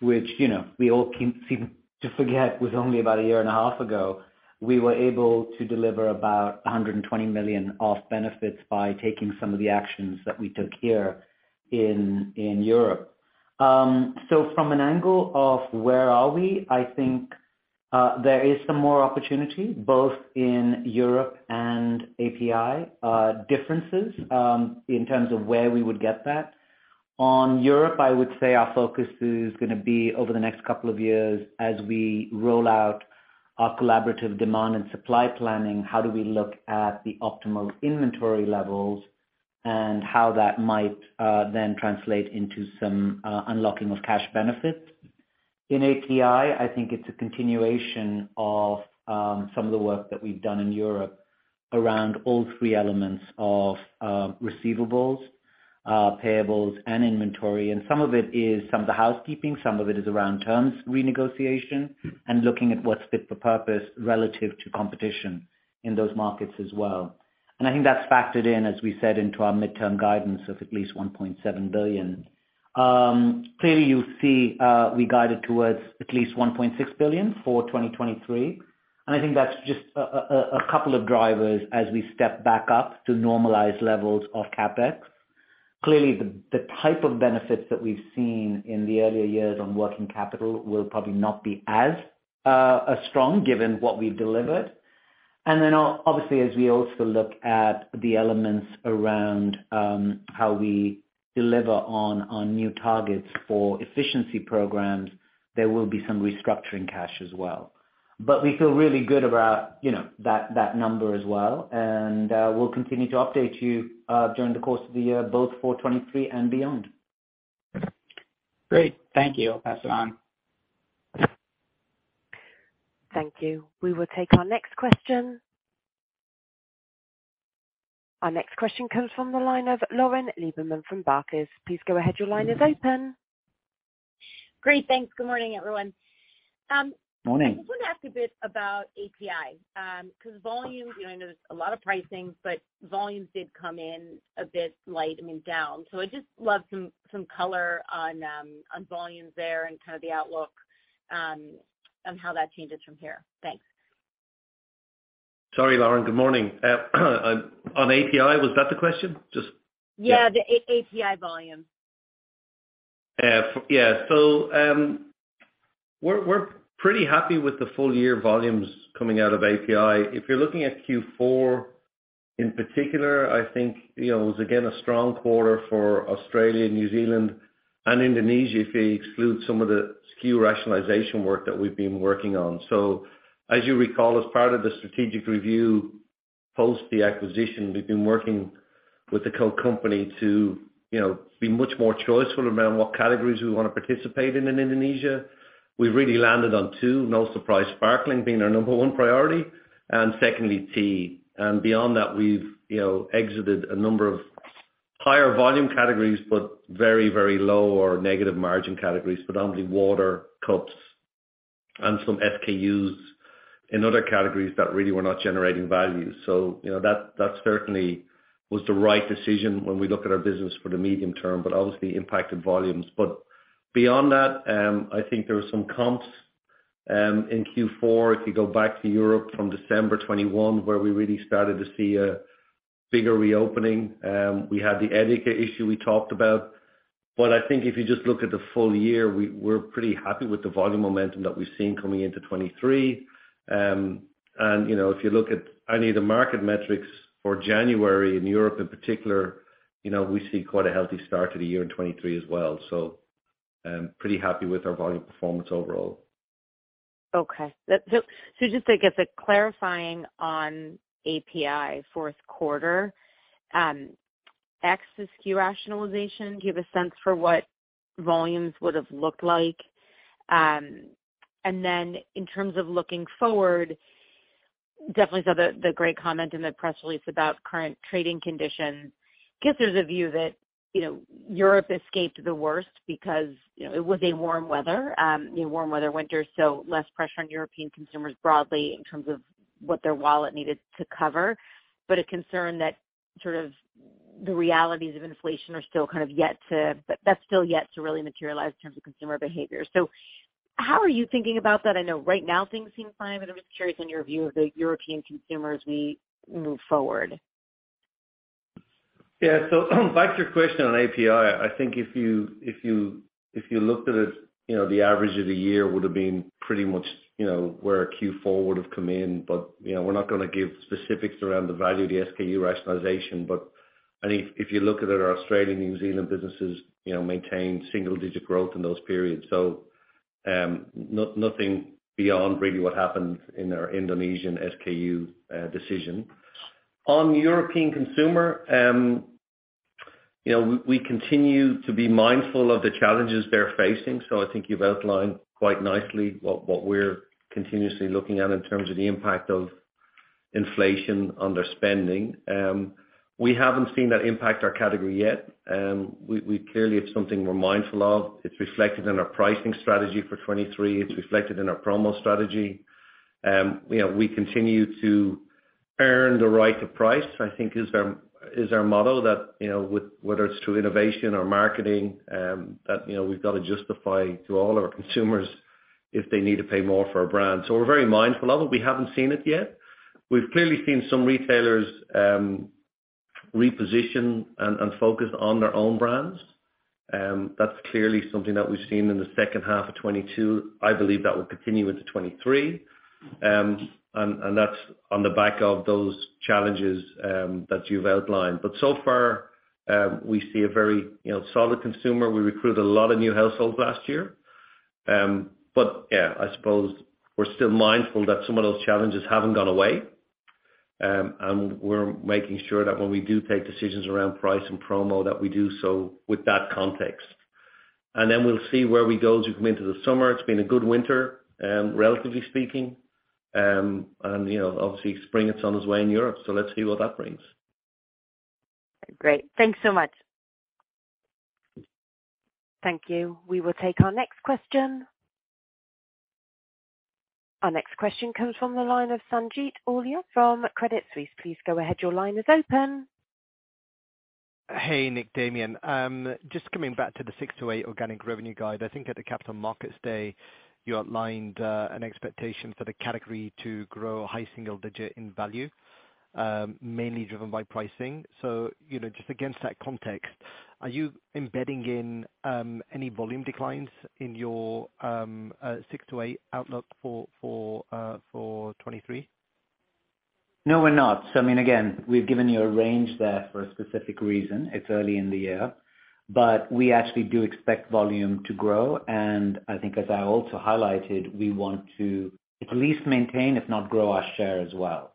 which, you know, we all seem to forget was only about a year and a half ago, we were able to deliver about 120 million of benefits by taking some of the actions that we took here in Europe. From an angle of where are we, I think, there is some more opportunity both in Europe and API differences in terms of where we would get that. On Europe, I would say our focus is gonna be over the next couple of years as we roll out our collaborative demand and supply planning, how do we look at the optimal inventory levels and how that might then translate into some unlocking of cash benefits. In API, I think it's a continuation of some of the work that we've done in Europe around all three elements of receivables, payables, and inventory. Some of it is some of the housekeeping, some of it is around terms renegotiation, and looking at what's fit for purpose relative to competition in those markets as well. I think that's factored in, as we said, into our midterm guidance of at least 1.7 billion. Clearly you see, we guided towards at least 1.6 billion for 2023. I think that's just a couple of drivers as we step back up to normalized levels of CapEx. Clearly, the type of benefits that we've seen in the earlier years on working capital will probably not be as strong given what we've delivered. Then obviously, as we also look at the elements around how we deliver on new targets for efficiency programs, there will be some restructuring cash as well. We feel really good about, you know, that number as well, and we'll continue to update you during the course of the year, both for 2023 and beyond. Great. Thank you. I'll pass it on. Thank you. We will take our next question. Our next question comes from the line of Lauren Lieberman from Barclays. Please go ahead. Your line is open. Great, thanks. Good morning, everyone. Morning. I just wanted to ask a bit about API, 'cause volume, you know, I know there's a lot of pricing, but volumes did come in a bit light and then down. I'd just love some color on volumes there and kind of the outlook on how that changes from here. Thanks. Sorry, Lauren. Good morning. On API, was that the question? Yeah, the API volume. Yeah. We're pretty happy with the full year volumes coming out of API. If you're looking at Q4 in particular, I think, you know, it was again, a strong quarter for Australia, New Zealand and Indonesia if you exclude some of the SKU rationalization work that we've been working on. As you recall, as part of the strategic review post the acquisition, we've been working with the Coke company to, you know, be much more choiceful around what categories we wanna participate in in Indonesia. We've really landed on two, no surprise, sparkling being our number one priority and secondly, tea. Beyond that we've, you know, exited a number of higher volume categories, but very, very low or negative margin categories, predominantly water, cups and some SKUs in other categories that really were not generating value. You know, that certainly was the right decision when we look at our business for the medium term, but obviously impacted volumes. Beyond that, I think there were some comps in Q4 if you go back to Europe from December 2021, where we really started to see a bigger reopening. We had the Edeka issue we talked about. I think if you just look at the full year, we're pretty happy with the volume momentum that we've seen coming into 2023. You know, if you look at any of the market metrics for January in Europe in particular, you know, we see quite a healthy start to the year in 2023 as well. Pretty happy with our volume performance overall. Okay. Just, I guess, clarifying on API fourth quarter, ex the SKU rationalization, do you have a sense for what volumes would have looked like? In terms of looking forward, definitely saw the great comment in the press release about current trading conditions. Guess there's a view that, you know, Europe escaped the worst because, you know, it was a warm weather, you know, warm weather winter, so less pressure on European consumers broadly in terms of what their wallet needed to cover. A concern that sort of the realities of inflation are still yet to really materialize in terms of consumer behavior. How are you thinking about that? I know right now things seem fine, but I'm just curious on your view of the European consumer as we move forward. Back to your question on API. I think if you looked at it, you know, the average of the year would have been pretty much, you know, where our Q4 would have come in. We're not gonna give specifics around the value of the SKU rationalization. I think if you look at our Australian, New Zealand businesses, you know, maintained single digit growth in those periods. Nothing beyond really what happened in our Indonesian SKU decision. On the European consumer, you know, we continue to be mindful of the challenges they're facing. I think you've outlined quite nicely what we're continuously looking at in terms of the impact of inflation on their spending. We haven't seen that impact our category yet. We clearly it's something we're mindful of. It's reflected in our pricing strategy for 2023. It's reflected in our promo strategy. You know, we continue to earn the right to price, I think is our motto. You know, whether it's through innovation or marketing, you know, we've got to justify to all our consumers if they need to pay more for our brand. We're very mindful of it. We haven't seen it yet. We've clearly seen some retailers reposition and focus on their own brands. That's clearly something that we've seen in the second half of 2022. I believe that will continue into 2023. That's on the back of those challenges that you've outlined. So far, we see a very, you know, solid consumer. We recruited a lot of new households last year. Yeah, I suppose we're still mindful that some of those challenges haven't gone away. We're making sure that when we do take decisions around price and promo, that we do so with that context. Then we'll see where we go as we come into the summer. It's been a good winter, relatively speaking. You know, obviously spring is on its way in Europe. Let's see what that brings. Great. Thanks so much. Thank you. We will take our next question. Our next question comes from the line of Sanjeet Aujla from Credit Suisse. Please go ahead. Your line is open. Hey, Nik, Damian. Just coming back to the 6%-8% organic revenue guide, I think at the Capital Markets Day, you outlined an expectation for the category to grow high single digit in value, mainly driven by pricing. Just against that context, are you embedding in any volume declines in your 6%-8% outlook for 2023? No, we're not. I mean, again, we've given you a range there for a specific reason. It's early in the year. We actually do expect volume to grow. I think as I also highlighted, we want to at least maintain, if not grow our share as well.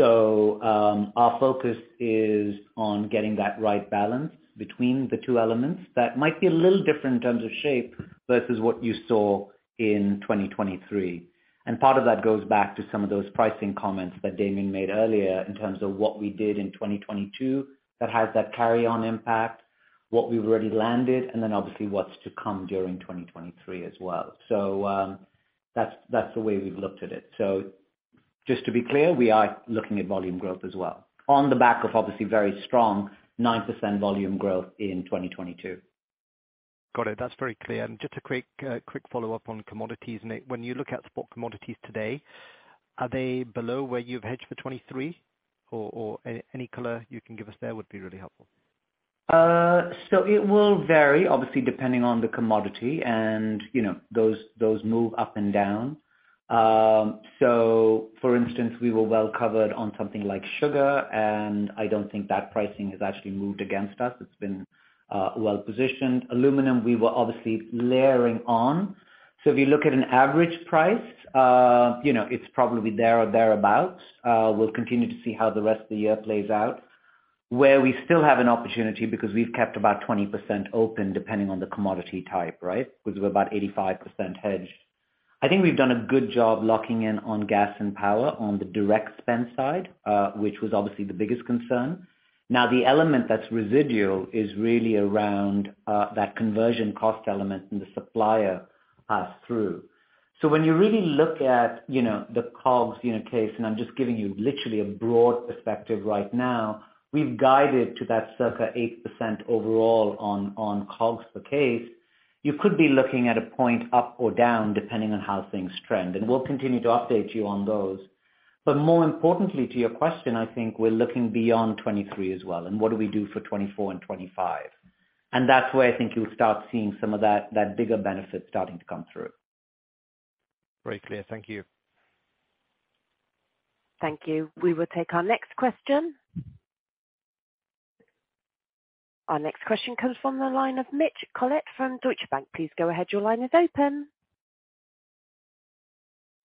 Our focus is on getting that right balance between the two elements that might be a little different in terms of shape versus what you saw in 2023. Part of that goes back to some of those pricing comments that Damian made earlier in terms of what we did in 2022 that has that carry-on impact, what we've already landed, and then obviously what's to come during 2023 as well. That's the way we've looked at it. Just to be clear, we are looking at volume growth as well on the back of obviously very strong 9% volume growth in 2022. Got it. That's very clear. Just a quick follow-up on commodities. Nik, when you look at spot commodities today, are they below where you've hedged for 2023 or any color you can give us there would be really helpful. It will vary obviously depending on the commodity and you know, those move up and down. For instance, we were well covered on something like sugar, and I don't think that pricing has actually moved against us. It's been well positioned. Aluminum, we were obviously layering on. If you look at an average price, you know, it's probably there or thereabout. We'll continue to see how the rest of the year plays out, where we still have an opportunity because we've kept about 20% open depending on the commodity type, right, because we're about 85% hedged. I think we've done a good job locking in on gas and power on the direct spend side, which was obviously the biggest concern. The element that's residual is really around that conversion cost element and the supplier pass-through. When you really look at, you know, the COGS unit case, and I'm just giving you literally a broad perspective right now, we've guided to that circa 8% overall on COGS per case. You could be looking at a point up or down depending on how things trend, and we'll continue to update you on those. More importantly to your question, I think we're looking beyond 2023 as well, and what do we do for 2024 and 2025? That's where I think you'll start seeing some of that bigger benefit starting to come through. Very clear. Thank you. Thank you. We will take our next question. Our next question comes from the line of Mitch Collett from Deutsche Bank. Please go ahead. Your line is open.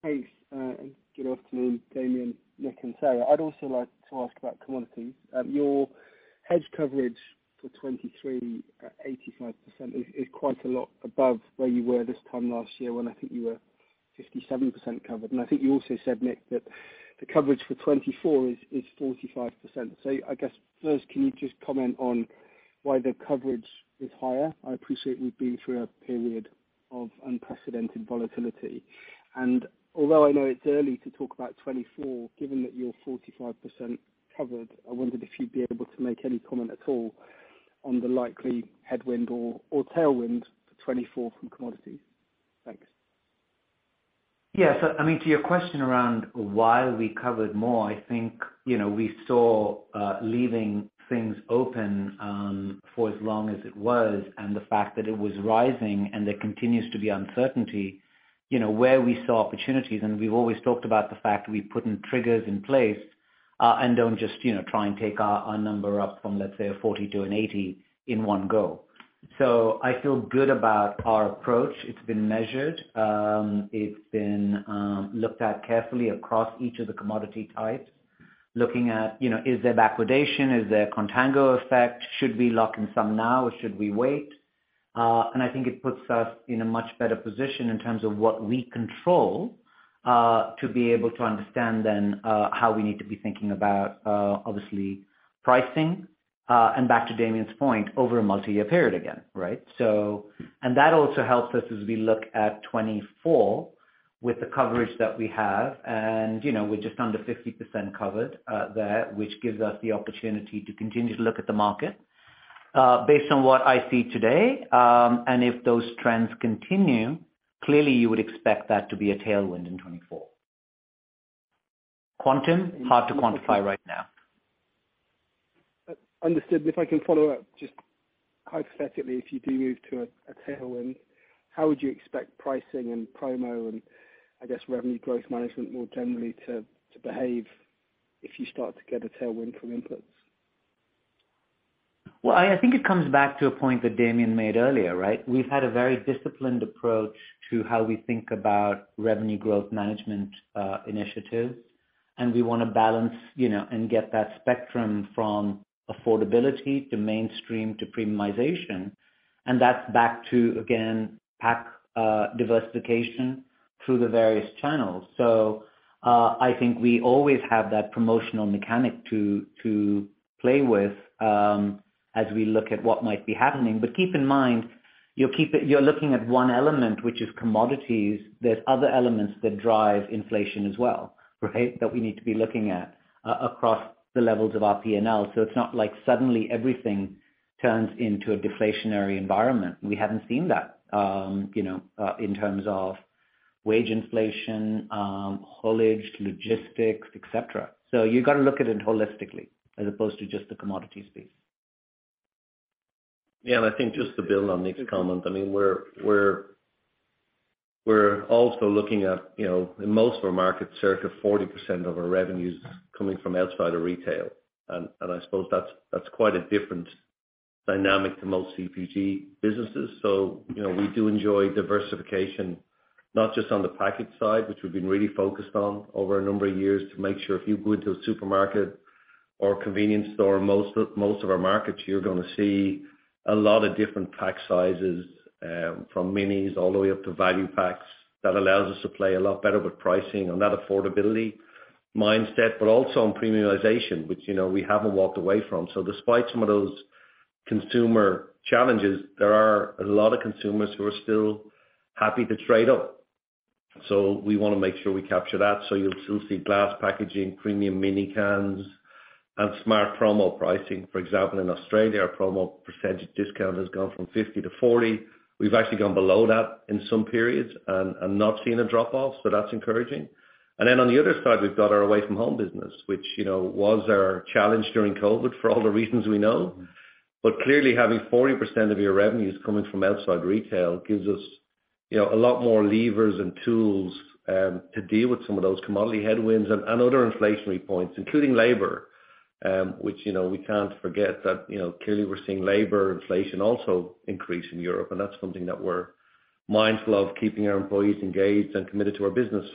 Thanks, good afternoon, Damian, Nik and Sarah. I'd also like to ask about commodities. Your hedge coverage for 2023 at 85% is quite a lot above where you were this time last year when I think you were 57% covered. I think you also said, Nik, that the coverage for 2024 is 45%. I guess first, can you just comment on why the coverage is higher? I appreciate we've been through a period of unprecedented volatility, although I know it's early to talk about 2024, given that you're 45% covered, I wondered if you'd be able to make any comment at all on the likely headwind or tailwind for 2024 from commodities. Thanks. Yeah. I mean, to your question around why we covered more, I think, you know, we saw leaving things open for as long as it was and the fact that it was rising and there continues to be uncertainty, you know, where we saw opportunities, and we've always talked about the fact we put in triggers in place and don't just, you know, try and take our number up from, let's say a 40 to an 80 in one go. I feel good about our approach. It's been measured. It's been looked at carefully across each of the commodity types, looking at, you know, is there backwardation? Is there contango effect? Should we lock in some now, or should we wait? I think it puts us in a much better position in terms of what we control, to be able to understand then, how we need to be thinking about, obviously pricing, and back to Damian's point, over a multi-year period again, right? That also helps us as we look at 2024 with the coverage that we have and, you know, we're just under 50% covered there, which gives us the opportunity to continue to look at the market. Based on what I see today, and if those trends continue, clearly you would expect that to be a tailwind in 2024. Quantum, hard to quantify right now. Understood. If I can follow up just hypothetically, if you do move to a tailwind, how would you expect pricing and promo and I guess revenue growth management more generally to behave if you start to get a tailwind from inputs? Well, I think it comes back to a point that Damian made earlier, right? We've had a very disciplined approach to how we think about Revenue Growth Management initiatives. We wanna balance, you know, and get that spectrum from affordability to mainstream to premiumization. That's back to, again, pack diversification through the various channels. I think we always have that promotional mechanic to play with as we look at what might be happening. Keep in mind, you're looking at one element, which is commodities. There's other elements that drive inflation as well, right? That we need to be looking at across the levels of our P&L. It's not like suddenly everything turns into a deflationary environment. We haven't seen that, you know, in terms of wage inflation, haulage, logistics, et cetera. You gotta look at it holistically as opposed to just the commodity space. I think just to build on Nik's comment, I mean, we're also looking at, you know, in most of our markets, circa 40% of our revenues coming from outside of retail. I suppose that's quite a different dynamic to most CPG businesses. You know, we do enjoy diversification, not just on the package side, which we've been really focused on over a number of years to make sure if you go into a supermarket or convenience store, most of our markets, you're gonna see a lot of different pack sizes from minis all the way up to value packs. That allows us to play a lot better with pricing on that affordability mindset, also on premiumization, which, you know, we haven't walked away from. Despite some of those consumer challenges, there are a lot of consumers who are still happy to trade up. We wanna make sure we capture that. You'll still see glass packaging, premium mini cans, and smart promo pricing. For example, in Australia, our promo percentage discount has gone from 50%-40%. We've actually gone below that in some periods and not seen a drop off, so that's encouraging. Then on the other side, we've got our away from home business, which, you know, was our challenge during COVID for all the reasons we know. Clearly having 40% of your revenues coming from outside retail gives us, you know, a lot more levers and tools to deal with some of those commodity headwinds and other inflationary points, including labor, which, you know, we can't forget that, you know, clearly we're seeing labor inflation also increase in Europe and that's something that we're mindful of, keeping our employees engaged and committed to our business.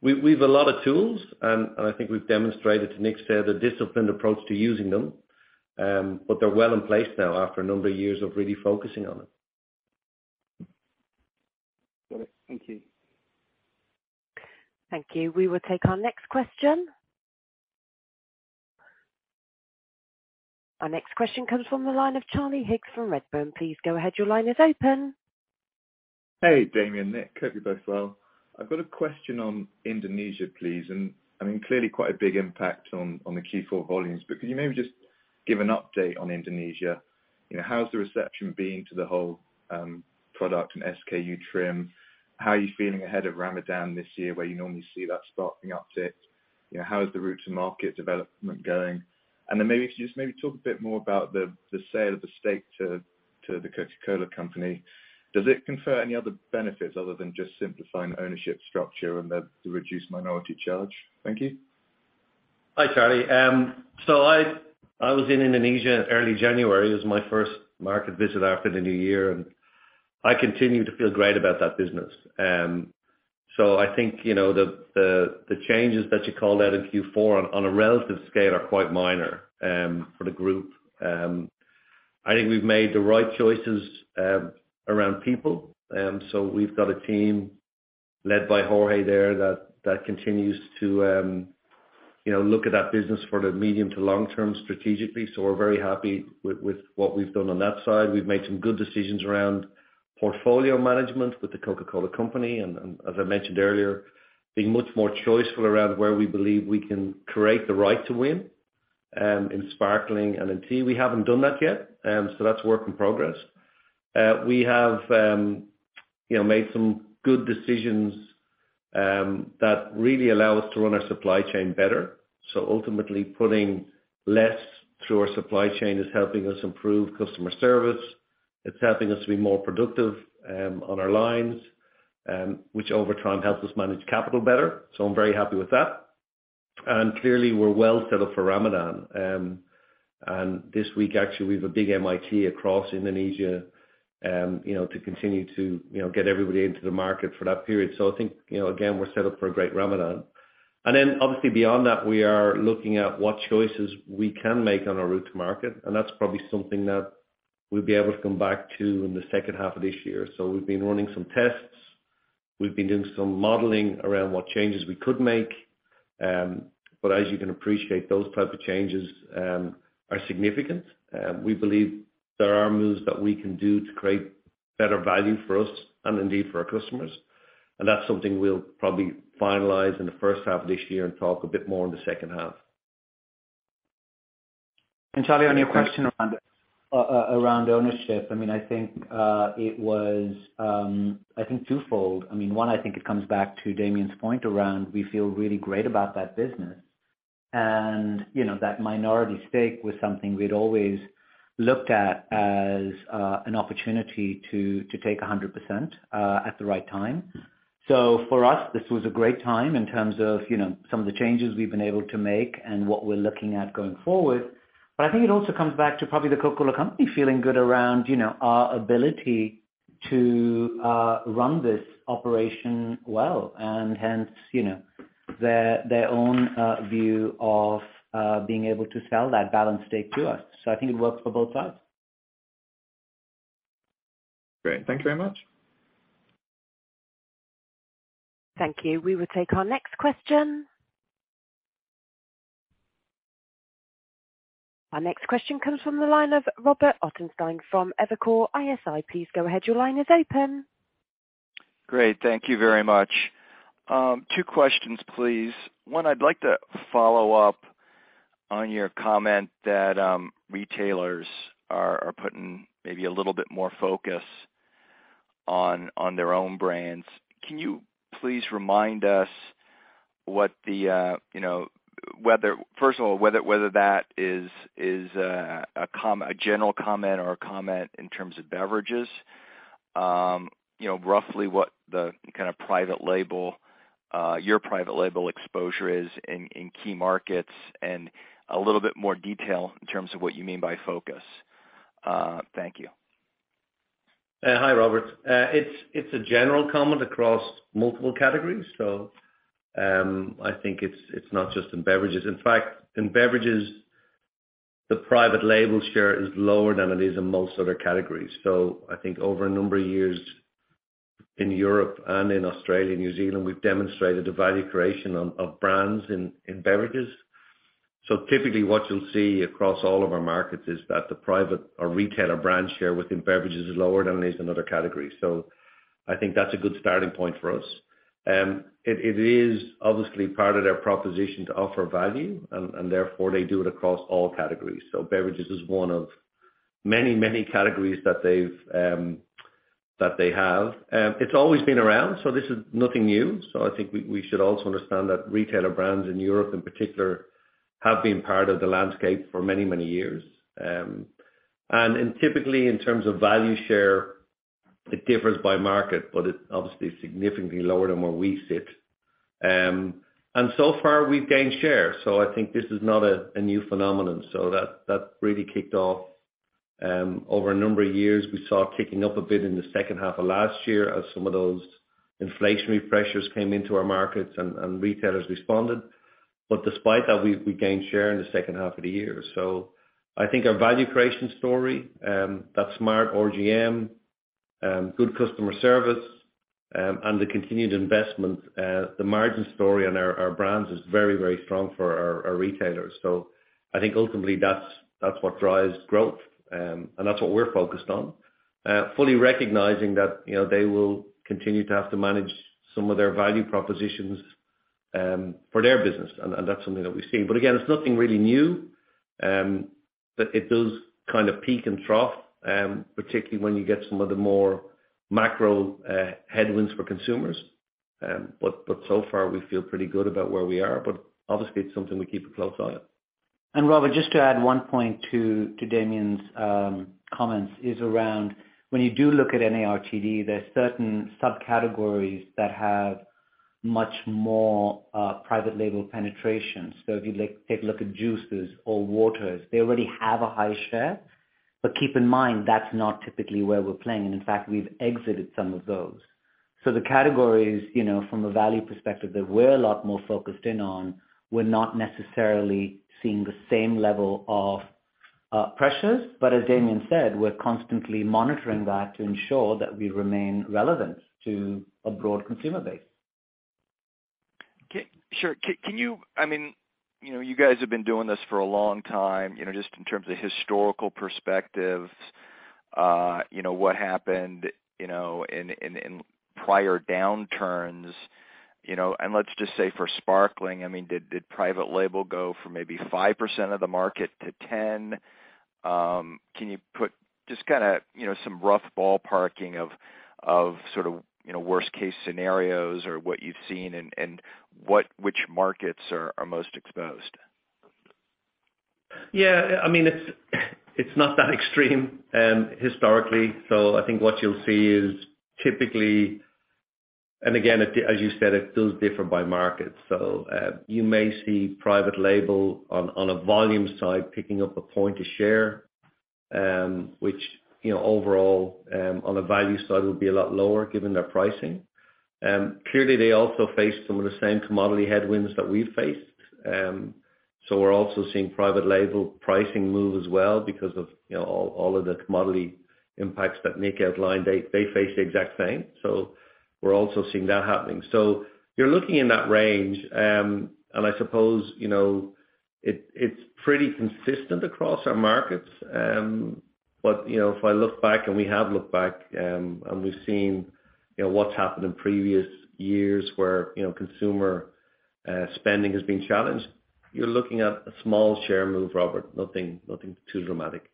We've a lot of tools and I think we've demonstrated to Nik's fair, the disciplined approach to using them. They're well in place now after a number of years of really focusing on them. Got it. Thank you. Thank you. We will take our next question. Our next question comes from the line of Charlie Higgs from Redburn. Please go ahead. Your line is open. Hey, Damian, Nik, hope you're both well. I've got a question on Indonesia, please. I mean, clearly quite a big impact on the Q4 volumes. Can you maybe just give an update on Indonesia? You know, how's the reception been to the whole product and SKU trim? How are you feeling ahead of Ramadan this year, where you normally see that sparking uptick? You know, how is the route to market development going? Then maybe if you just talk a bit more about the sale of the stake to The Coca-Cola Company. Does it confer any other benefits other than just simplifying the ownership structure and the reduced minority challenge? Thank you. Hi, Charlie. I was in Indonesia early January. It was my first market visit after the new year, and I continue to feel great about that business. I think, you know, the, the changes that you called out in Q4 on a relative scale are quite minor, for the group. I think we've made the right choices, around people. We've got a team led by Jorge there that continues to, you know, look at that business for the medium to long term strategically. We're very happy with what we've done on that side. We've made some good decisions around portfolio management with The Coca-Cola Company and, as I mentioned earlier, being much more choiceful around where we believe we can create the right to win, in sparkling and in tea. We haven't done that yet, so that's work in progress. We have, you know, made some good decisions, that really allow us to run our supply chain better. Ultimately, putting less through our supply chain is helping us improve customer service. It's helping us to be more productive, on our lines, which over time helps us manage capital better. I'm very happy with that. Clearly, we're well set up for Ramadan. This week, actually, we have a big MIT across Indonesia, you know, to continue to, you know, get everybody into the market for that period. I think, you know, again, we're set up for a great Ramadan. Obviously beyond that, we are looking at what choices we can make on our route to market, and that's probably something that we'll be able to come back to in the second half of this year. We've been running some tests. We've been doing some modeling around what changes we could make. As you can appreciate, those type of changes are significant. We believe there are moves that we can do to create better value for us and indeed for our customers. That's something we'll probably finalize in the first half of this year and talk a bit more in the second half. Charlie, on your question around it. Around ownership, I mean, I think it was twofold. I mean, one, I think it comes back to Damian's point around we feel really great about that business. You know, that minority stake was something we'd always looked at as an opportunity to take a hundred percent at the right time. For us, this was a great time in terms of, you know, some of the changes we've been able to make and what we're looking at going forward. I think it also comes back to probably The Coca-Cola Company feeling good around, you know, our ability to run this operation well, and hence, you know, their own view of being able to sell that balanced stake to us. I think it works for both sides. Great. Thank you very much. Thank you. We will take our next question. Our next question comes from the line of Robert Ottenstein from Evercore ISI. Please go ahead. Your line is open. Great. Thank you very much. Two questions, please. One, I'd like to follow up on your comment that retailers are putting maybe a little bit more focus on their own brands. Can you please remind us what the, you know, whether, first of all, whether that is a general comment or a comment in terms of beverages? You know, roughly what the kind of private label, your private label exposure is in key markets, and a little bit more detail in terms of what you mean by focus. Thank you. Hi, Robert. It's a general comment across multiple categories. I think it's not just in beverages. In fact, in beverages, the private label share is lower than it is in most other categories. I think over a number of years in Europe and in Australia and New Zealand, we've demonstrated a value creation of brands in beverages. Typically what you'll see across all of our markets is that the private or retailer brand share within beverages is lower than it is in other categories. I think that's a good starting point for us. It is obviously part of their proposition to offer value and therefore they do it across all categories. Beverages is one of many, many categories that they've that they have. It's always been around, so this is nothing new. I think we should also understand that retailer brands in Europe in particular have been part of the landscape for many, many years. In typically in terms of value share, it differs by market, but it's obviously significantly lower than where we sit. So far we've gained share. I think this is not a new phenomenon. That really kicked off over a number of years. We saw it kicking up a bit in the second half of last year as some of those inflationary pressures came into our markets and retailers responded. Despite that, we gained share in the second half of the year. I think our value creation story, that smart RGM, good customer service, and the continued investment. The margin story on our brands is very, very strong for our retailers. I think ultimately, that's what drives growth. That's what we're focused on. Fully recognizing that, you know, they will continue to have to manage some of their value propositions for their business, and that's something that we've seen. Again, it's nothing really new. It does kind of peak and trough particularly when you get some of the more macro headwinds for consumers. So far, we feel pretty good about where we are. Obviously, it's something we keep a close eye on. Robert, just to add one point to Damian's comments, is around when you do look at NARTD, there are certain subcategories that have much more private label penetration. If you like, take a look at juices or waters, they already have a high share. Keep in mind, that's not typically where we're playing. In fact, we've exited some of those. The categories, you know, from a value perspective that we're a lot more focused in on, we're not necessarily seeing the same level of pressures. As Damian said, we're constantly monitoring that to ensure that we remain relevant to a broad consumer base. Okay. Sure. Can you I mean, you know, you guys have been doing this for a long time, you know, just in terms of historical perspective, you know, what happened, you know, in, in prior downturns, you know. Let's just say for sparkling, I mean, did private label go from maybe 5% of the market to 10? Can you put just kinda, you know, some rough ballparking of sort of, you know, worst case scenarios or what you've seen and, which markets are most exposed? Yeah. I mean, it's not that extreme historically. I think what you'll see is typically. Again, as you said, it does differ by market. You may see private label on a volume side picking up a point of share, which, you know, overall, on a value side will be a lot lower given their pricing. Clearly, they also face some of the same commodity headwinds that we've faced. We're also seeing private label pricing move as well because of, you know, all of the commodity impacts that Nik outlined. They face the exact same. We're also seeing that happening. You're looking in that range. I suppose, you know, it's pretty consistent across our markets. You know, if I look back and we have looked back, and we've seen, you know, what's happened in previous years where, you know, consumer spending has been challenged, you're looking at a small share move, Robert. Nothing, nothing too dramatic.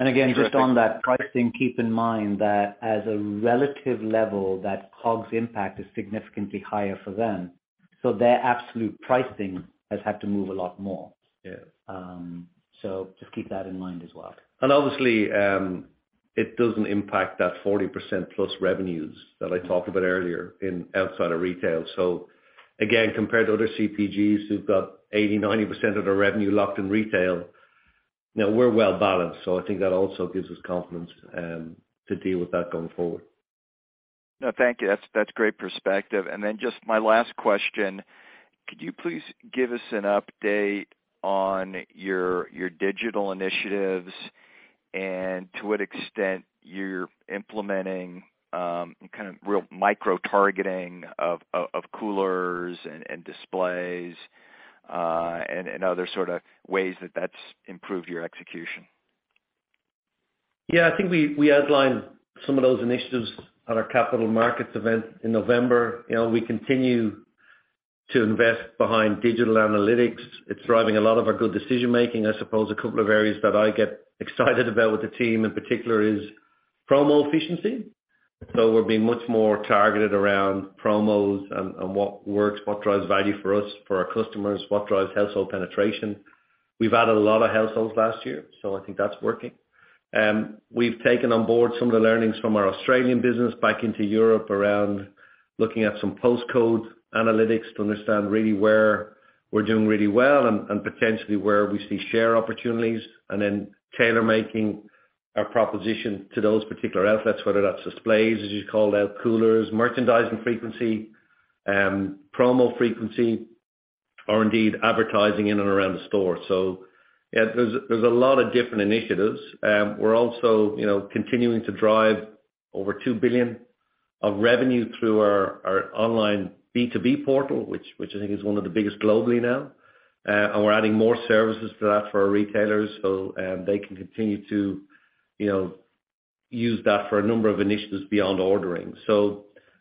Again, just on that pricing, keep in mind that as a relative level, that COGS impact is significantly higher for them, so their absolute pricing has had to move a lot more. Yeah. Just keep that in mind as well. Obviously, it doesn't impact that 40%+ revenues that I talked about earlier outside of retail. Again, compared to other CPGs who've got 80%, 90% of their revenue locked in retail, you know, we're well balanced. I think that also gives us confidence to deal with that going forward. No, thank you. That's great perspective. Just my last question. Could you please give us an update on your digital initiatives and to what extent you're implementing kind of real micro-targeting of coolers and displays and other sorta ways that that's improved your execution? Yeah. I think we outlined some of those initiatives at our capital markets event in November. You know, we continue to invest behind digital analytics. It's driving a lot of our good decision-making. I suppose a couple of areas that I get excited about with the team in particular is promo efficiency. We're being much more targeted around promos and what works, what drives value for us, for our customers, what drives household penetration. We've added a lot of households last year, so I think that's working. We've taken on board some of the learnings from our Australian business back into Europe around looking at some postcode analytics to understand really where we're doing really well and potentially where we see share opportunities, and then tailor-making our proposition to those particular outlets, whether that's displays, as you called out, coolers, merchandising frequency, promo frequency, or indeed advertising in and around the store. Yeah, there's a lot of different initiatives. We're also, you know, continuing to drive over 2 billion of revenue through our online B2B portal, which I think is one of the biggest globally now. We're adding more services to that for our retailers, they can continue to, you know, use that for a number of initiatives beyond ordering.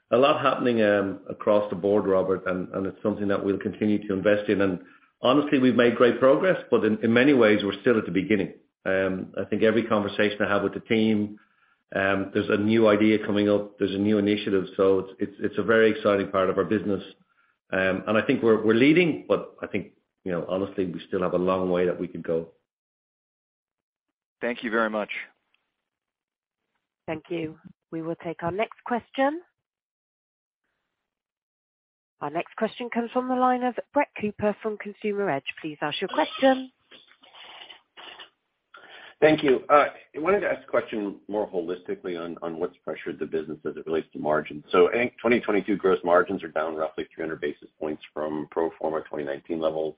A lot happening across the board, Robert, and it's something that we'll continue to invest in. Honestly, we've made great progress, but in many ways, we're still at the beginning. I think every conversation I have with the team, there's a new idea coming up, there's a new initiative. It's a very exciting part of our business. I think we're leading, but I think, you know, honestly, we still have a long way that we can go. Thank you very much. Thank you. We will take our next question. Our next question comes from the line of Brett Cooper from Consumer Edge. Please ask your question. Thank you. I wanted to ask a question more holistically on what's pressured the business as it relates to margins. In 2022, gross margins are down roughly 300 basis points from pro forma 2019 levels.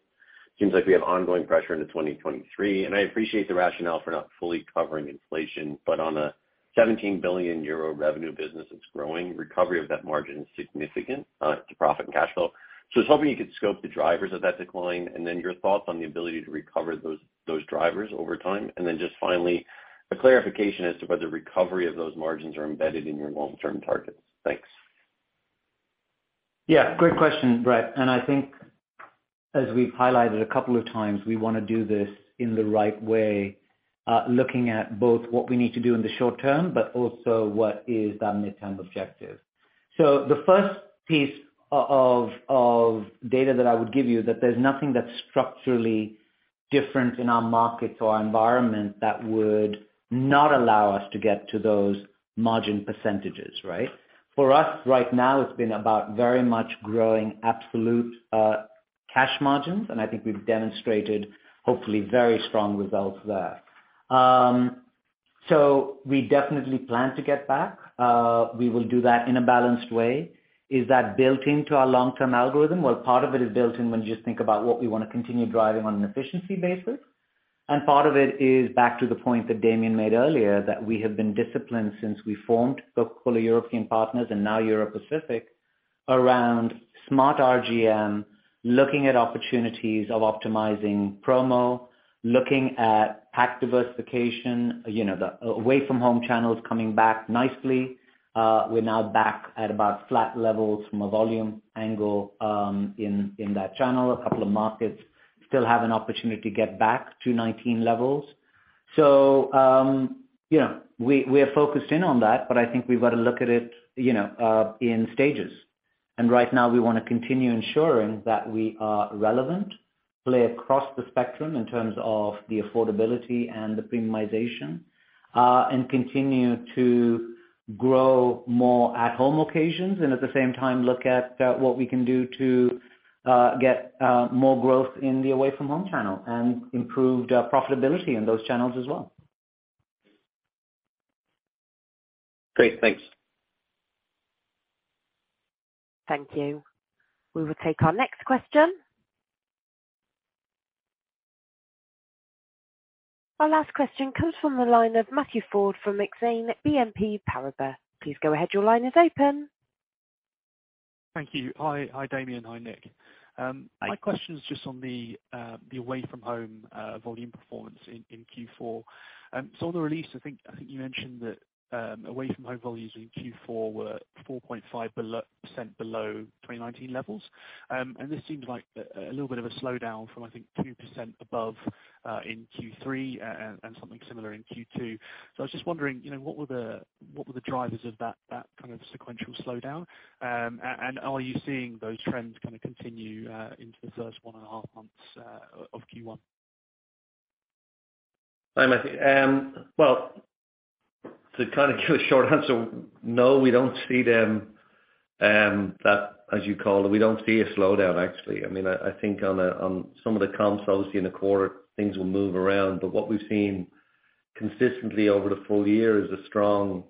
Seems like we have ongoing pressure into 2023, and I appreciate the rationale for not fully covering inflation, but on a 17 billion euro revenue business that's growing, recovery of that margin is significant to profit and cash flow. I was hoping you could scope the drivers of that decline, and then your thoughts on the ability to recover those drivers over time. Then just finally, a clarification as to whether recovery of those margins are embedded in your long-term targets. Thanks. Yeah, great question, Brett. I think as we've highlighted a couple of times, we wanna do this in the right way, looking at both what we need to do in the short term, but also what is our mid-term objective. The first piece of data that I would give you that there's nothing that's structurally different in our markets or environment that would not allow us to get to those margin percentages, right? For us, right now, it's been about very much growing absolute cash margins, and I think we've demonstrated hopefully very strong results there. We definitely plan to get back. We will do that in a balanced way. Is that built into our long-term algorithm? Well, part of it is built in when you just think about what we wanna continue driving on an efficiency basis. Part of it is back to the point that Damian made earlier, that we have been disciplined since we formed so-called Coca-Cola European Partners and now Europacific around smart RGM, looking at opportunities of optimizing promo, looking at pack diversification, you know, the away-from-home channels coming back nicely. We're now back at about flat levels from a volume angle, in that channel. A couple of markets still have an opportunity to get back to 19 levels. You know, we are focused in on that, but I think we've got to look at it, you know, in stages. Right now we wanna continue ensuring that we are relevant, play across the spectrum in terms of the affordability and the premiumization, and continue to grow more at home occasions, and at the same time, look at what we can do to get more growth in the away-from-home channel and improved profitability in those channels as well. Great. Thanks. Thank you. We will take our next question. Our last question comes from the line of Matthew Ford from Exane BNP Paribas. Please go ahead. Your line is open. Thank you. Hi. Hi, Damian. Hi, Nik. My question is just on the away-from-home volume performance in Q4. On the release, I think, I think you mentioned that away-from-home volumes in Q4 were 4.5% below 2019 levels. This seems like a little bit of a slowdown from, I think, 2% above in Q3 and something similar in Q2. I was just wondering, you know, what were the drivers of that kind of sequential slowdown? Are you seeing those trends kinda continue into the first one and half months of Q1? Hi, Matthew. Well, to kind of give a short answer, no, we don't see them, that as you call it, we don't see a slowdown actually. I mean, I think on some of the comps, obviously in the quarter, things will move around. What we've seen consistently over the full year is a strong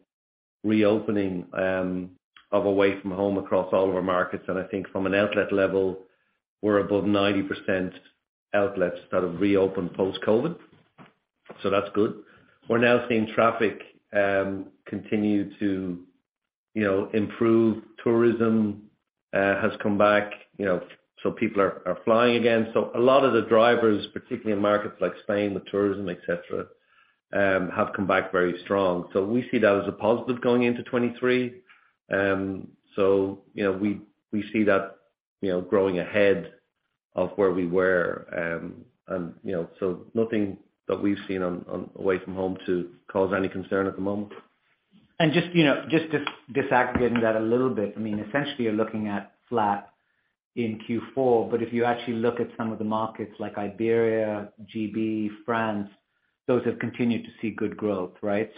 reopening of away from home across all of our markets. I think from an outlet level, we're above 90% outlets that have reopened post-COVID, so that's good. We're now seeing traffic continue to, you know, improve. Tourism has come back, you know, so people are flying again. A lot of the drivers, particularly in markets like Spain, with tourism, et cetera, have come back very strong. We see that as a positive going into 2023. You know, we see that, you know, growing ahead of where we were. You know, nothing that we've seen on away from home to cause any concern at the moment. Just, you know, just disaggregating that a little bit, I mean, essentially you're looking at flat in Q4, but if you actually look at some of the markets like Iberia, GB, France, those have continued to see good growth, right?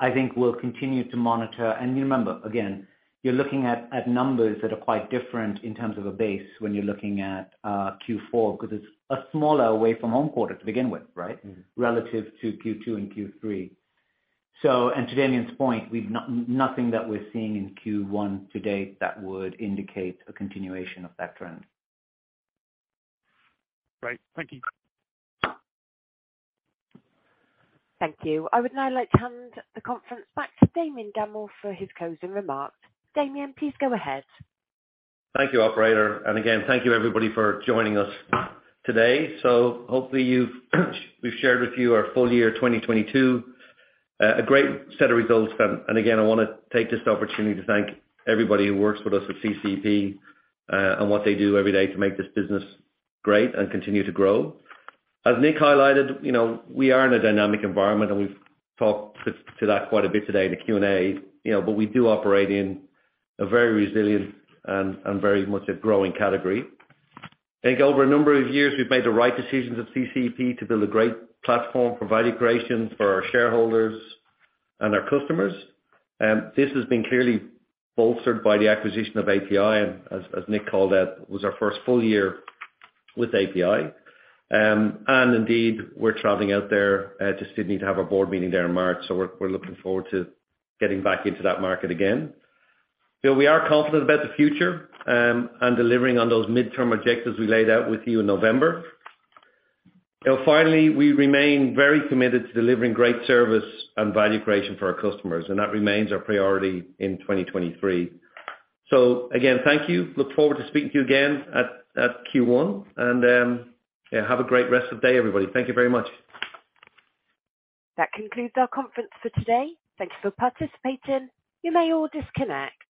I think we'll continue to monitor. Remember, again, you're looking at numbers that are quite different in terms of a base when you're looking at Q4, because it's a smaller away-from-home quarter to begin with, right? Mm-hmm. Relative to Q2 and Q3. And to Damian's point, we've nothing that we're seeing in Q1 to date that would indicate a continuation of that trend. Great. Thank you. Thank you. I would now like to hand the conference back to Damian Gammell for his closing remarks. Damian, please go ahead. Thank you, operator. Again, thank you everybody for joining us today. Hopefully you've shared with you our full year 2022, a great set of results. Again, I wanna take this opportunity to thank everybody who works with us at CCEP on what they do every day to make this business great and continue to grow. As Nik highlighted, you know, we are in a dynamic environment and we've talked to that quite a bit today in the Q&A. You know, we do operate in a very resilient and very much a growing category. I think over a number of years, we've made the right decisions at CCEP to build a great platform, provide integration for our shareholders and our customers. This has been clearly bolstered by the acquisition of API, and as Nik called out, was our first full year with API. Indeed, we're traveling out there to Sydney to have our board meeting there in March. We're looking forward to getting back into that market again. We are confident about the future and delivering on those midterm objectives we laid out with you in November. Finally, we remain very committed to delivering great service and value creation for our customers, and that remains our priority in 2023. Again, thank you. Look forward to speaking to you again at Q1. Yeah, have a great rest of day, everybody. Thank you very much. That concludes our conference for today. Thank Thank you for participating. You may all disconnect.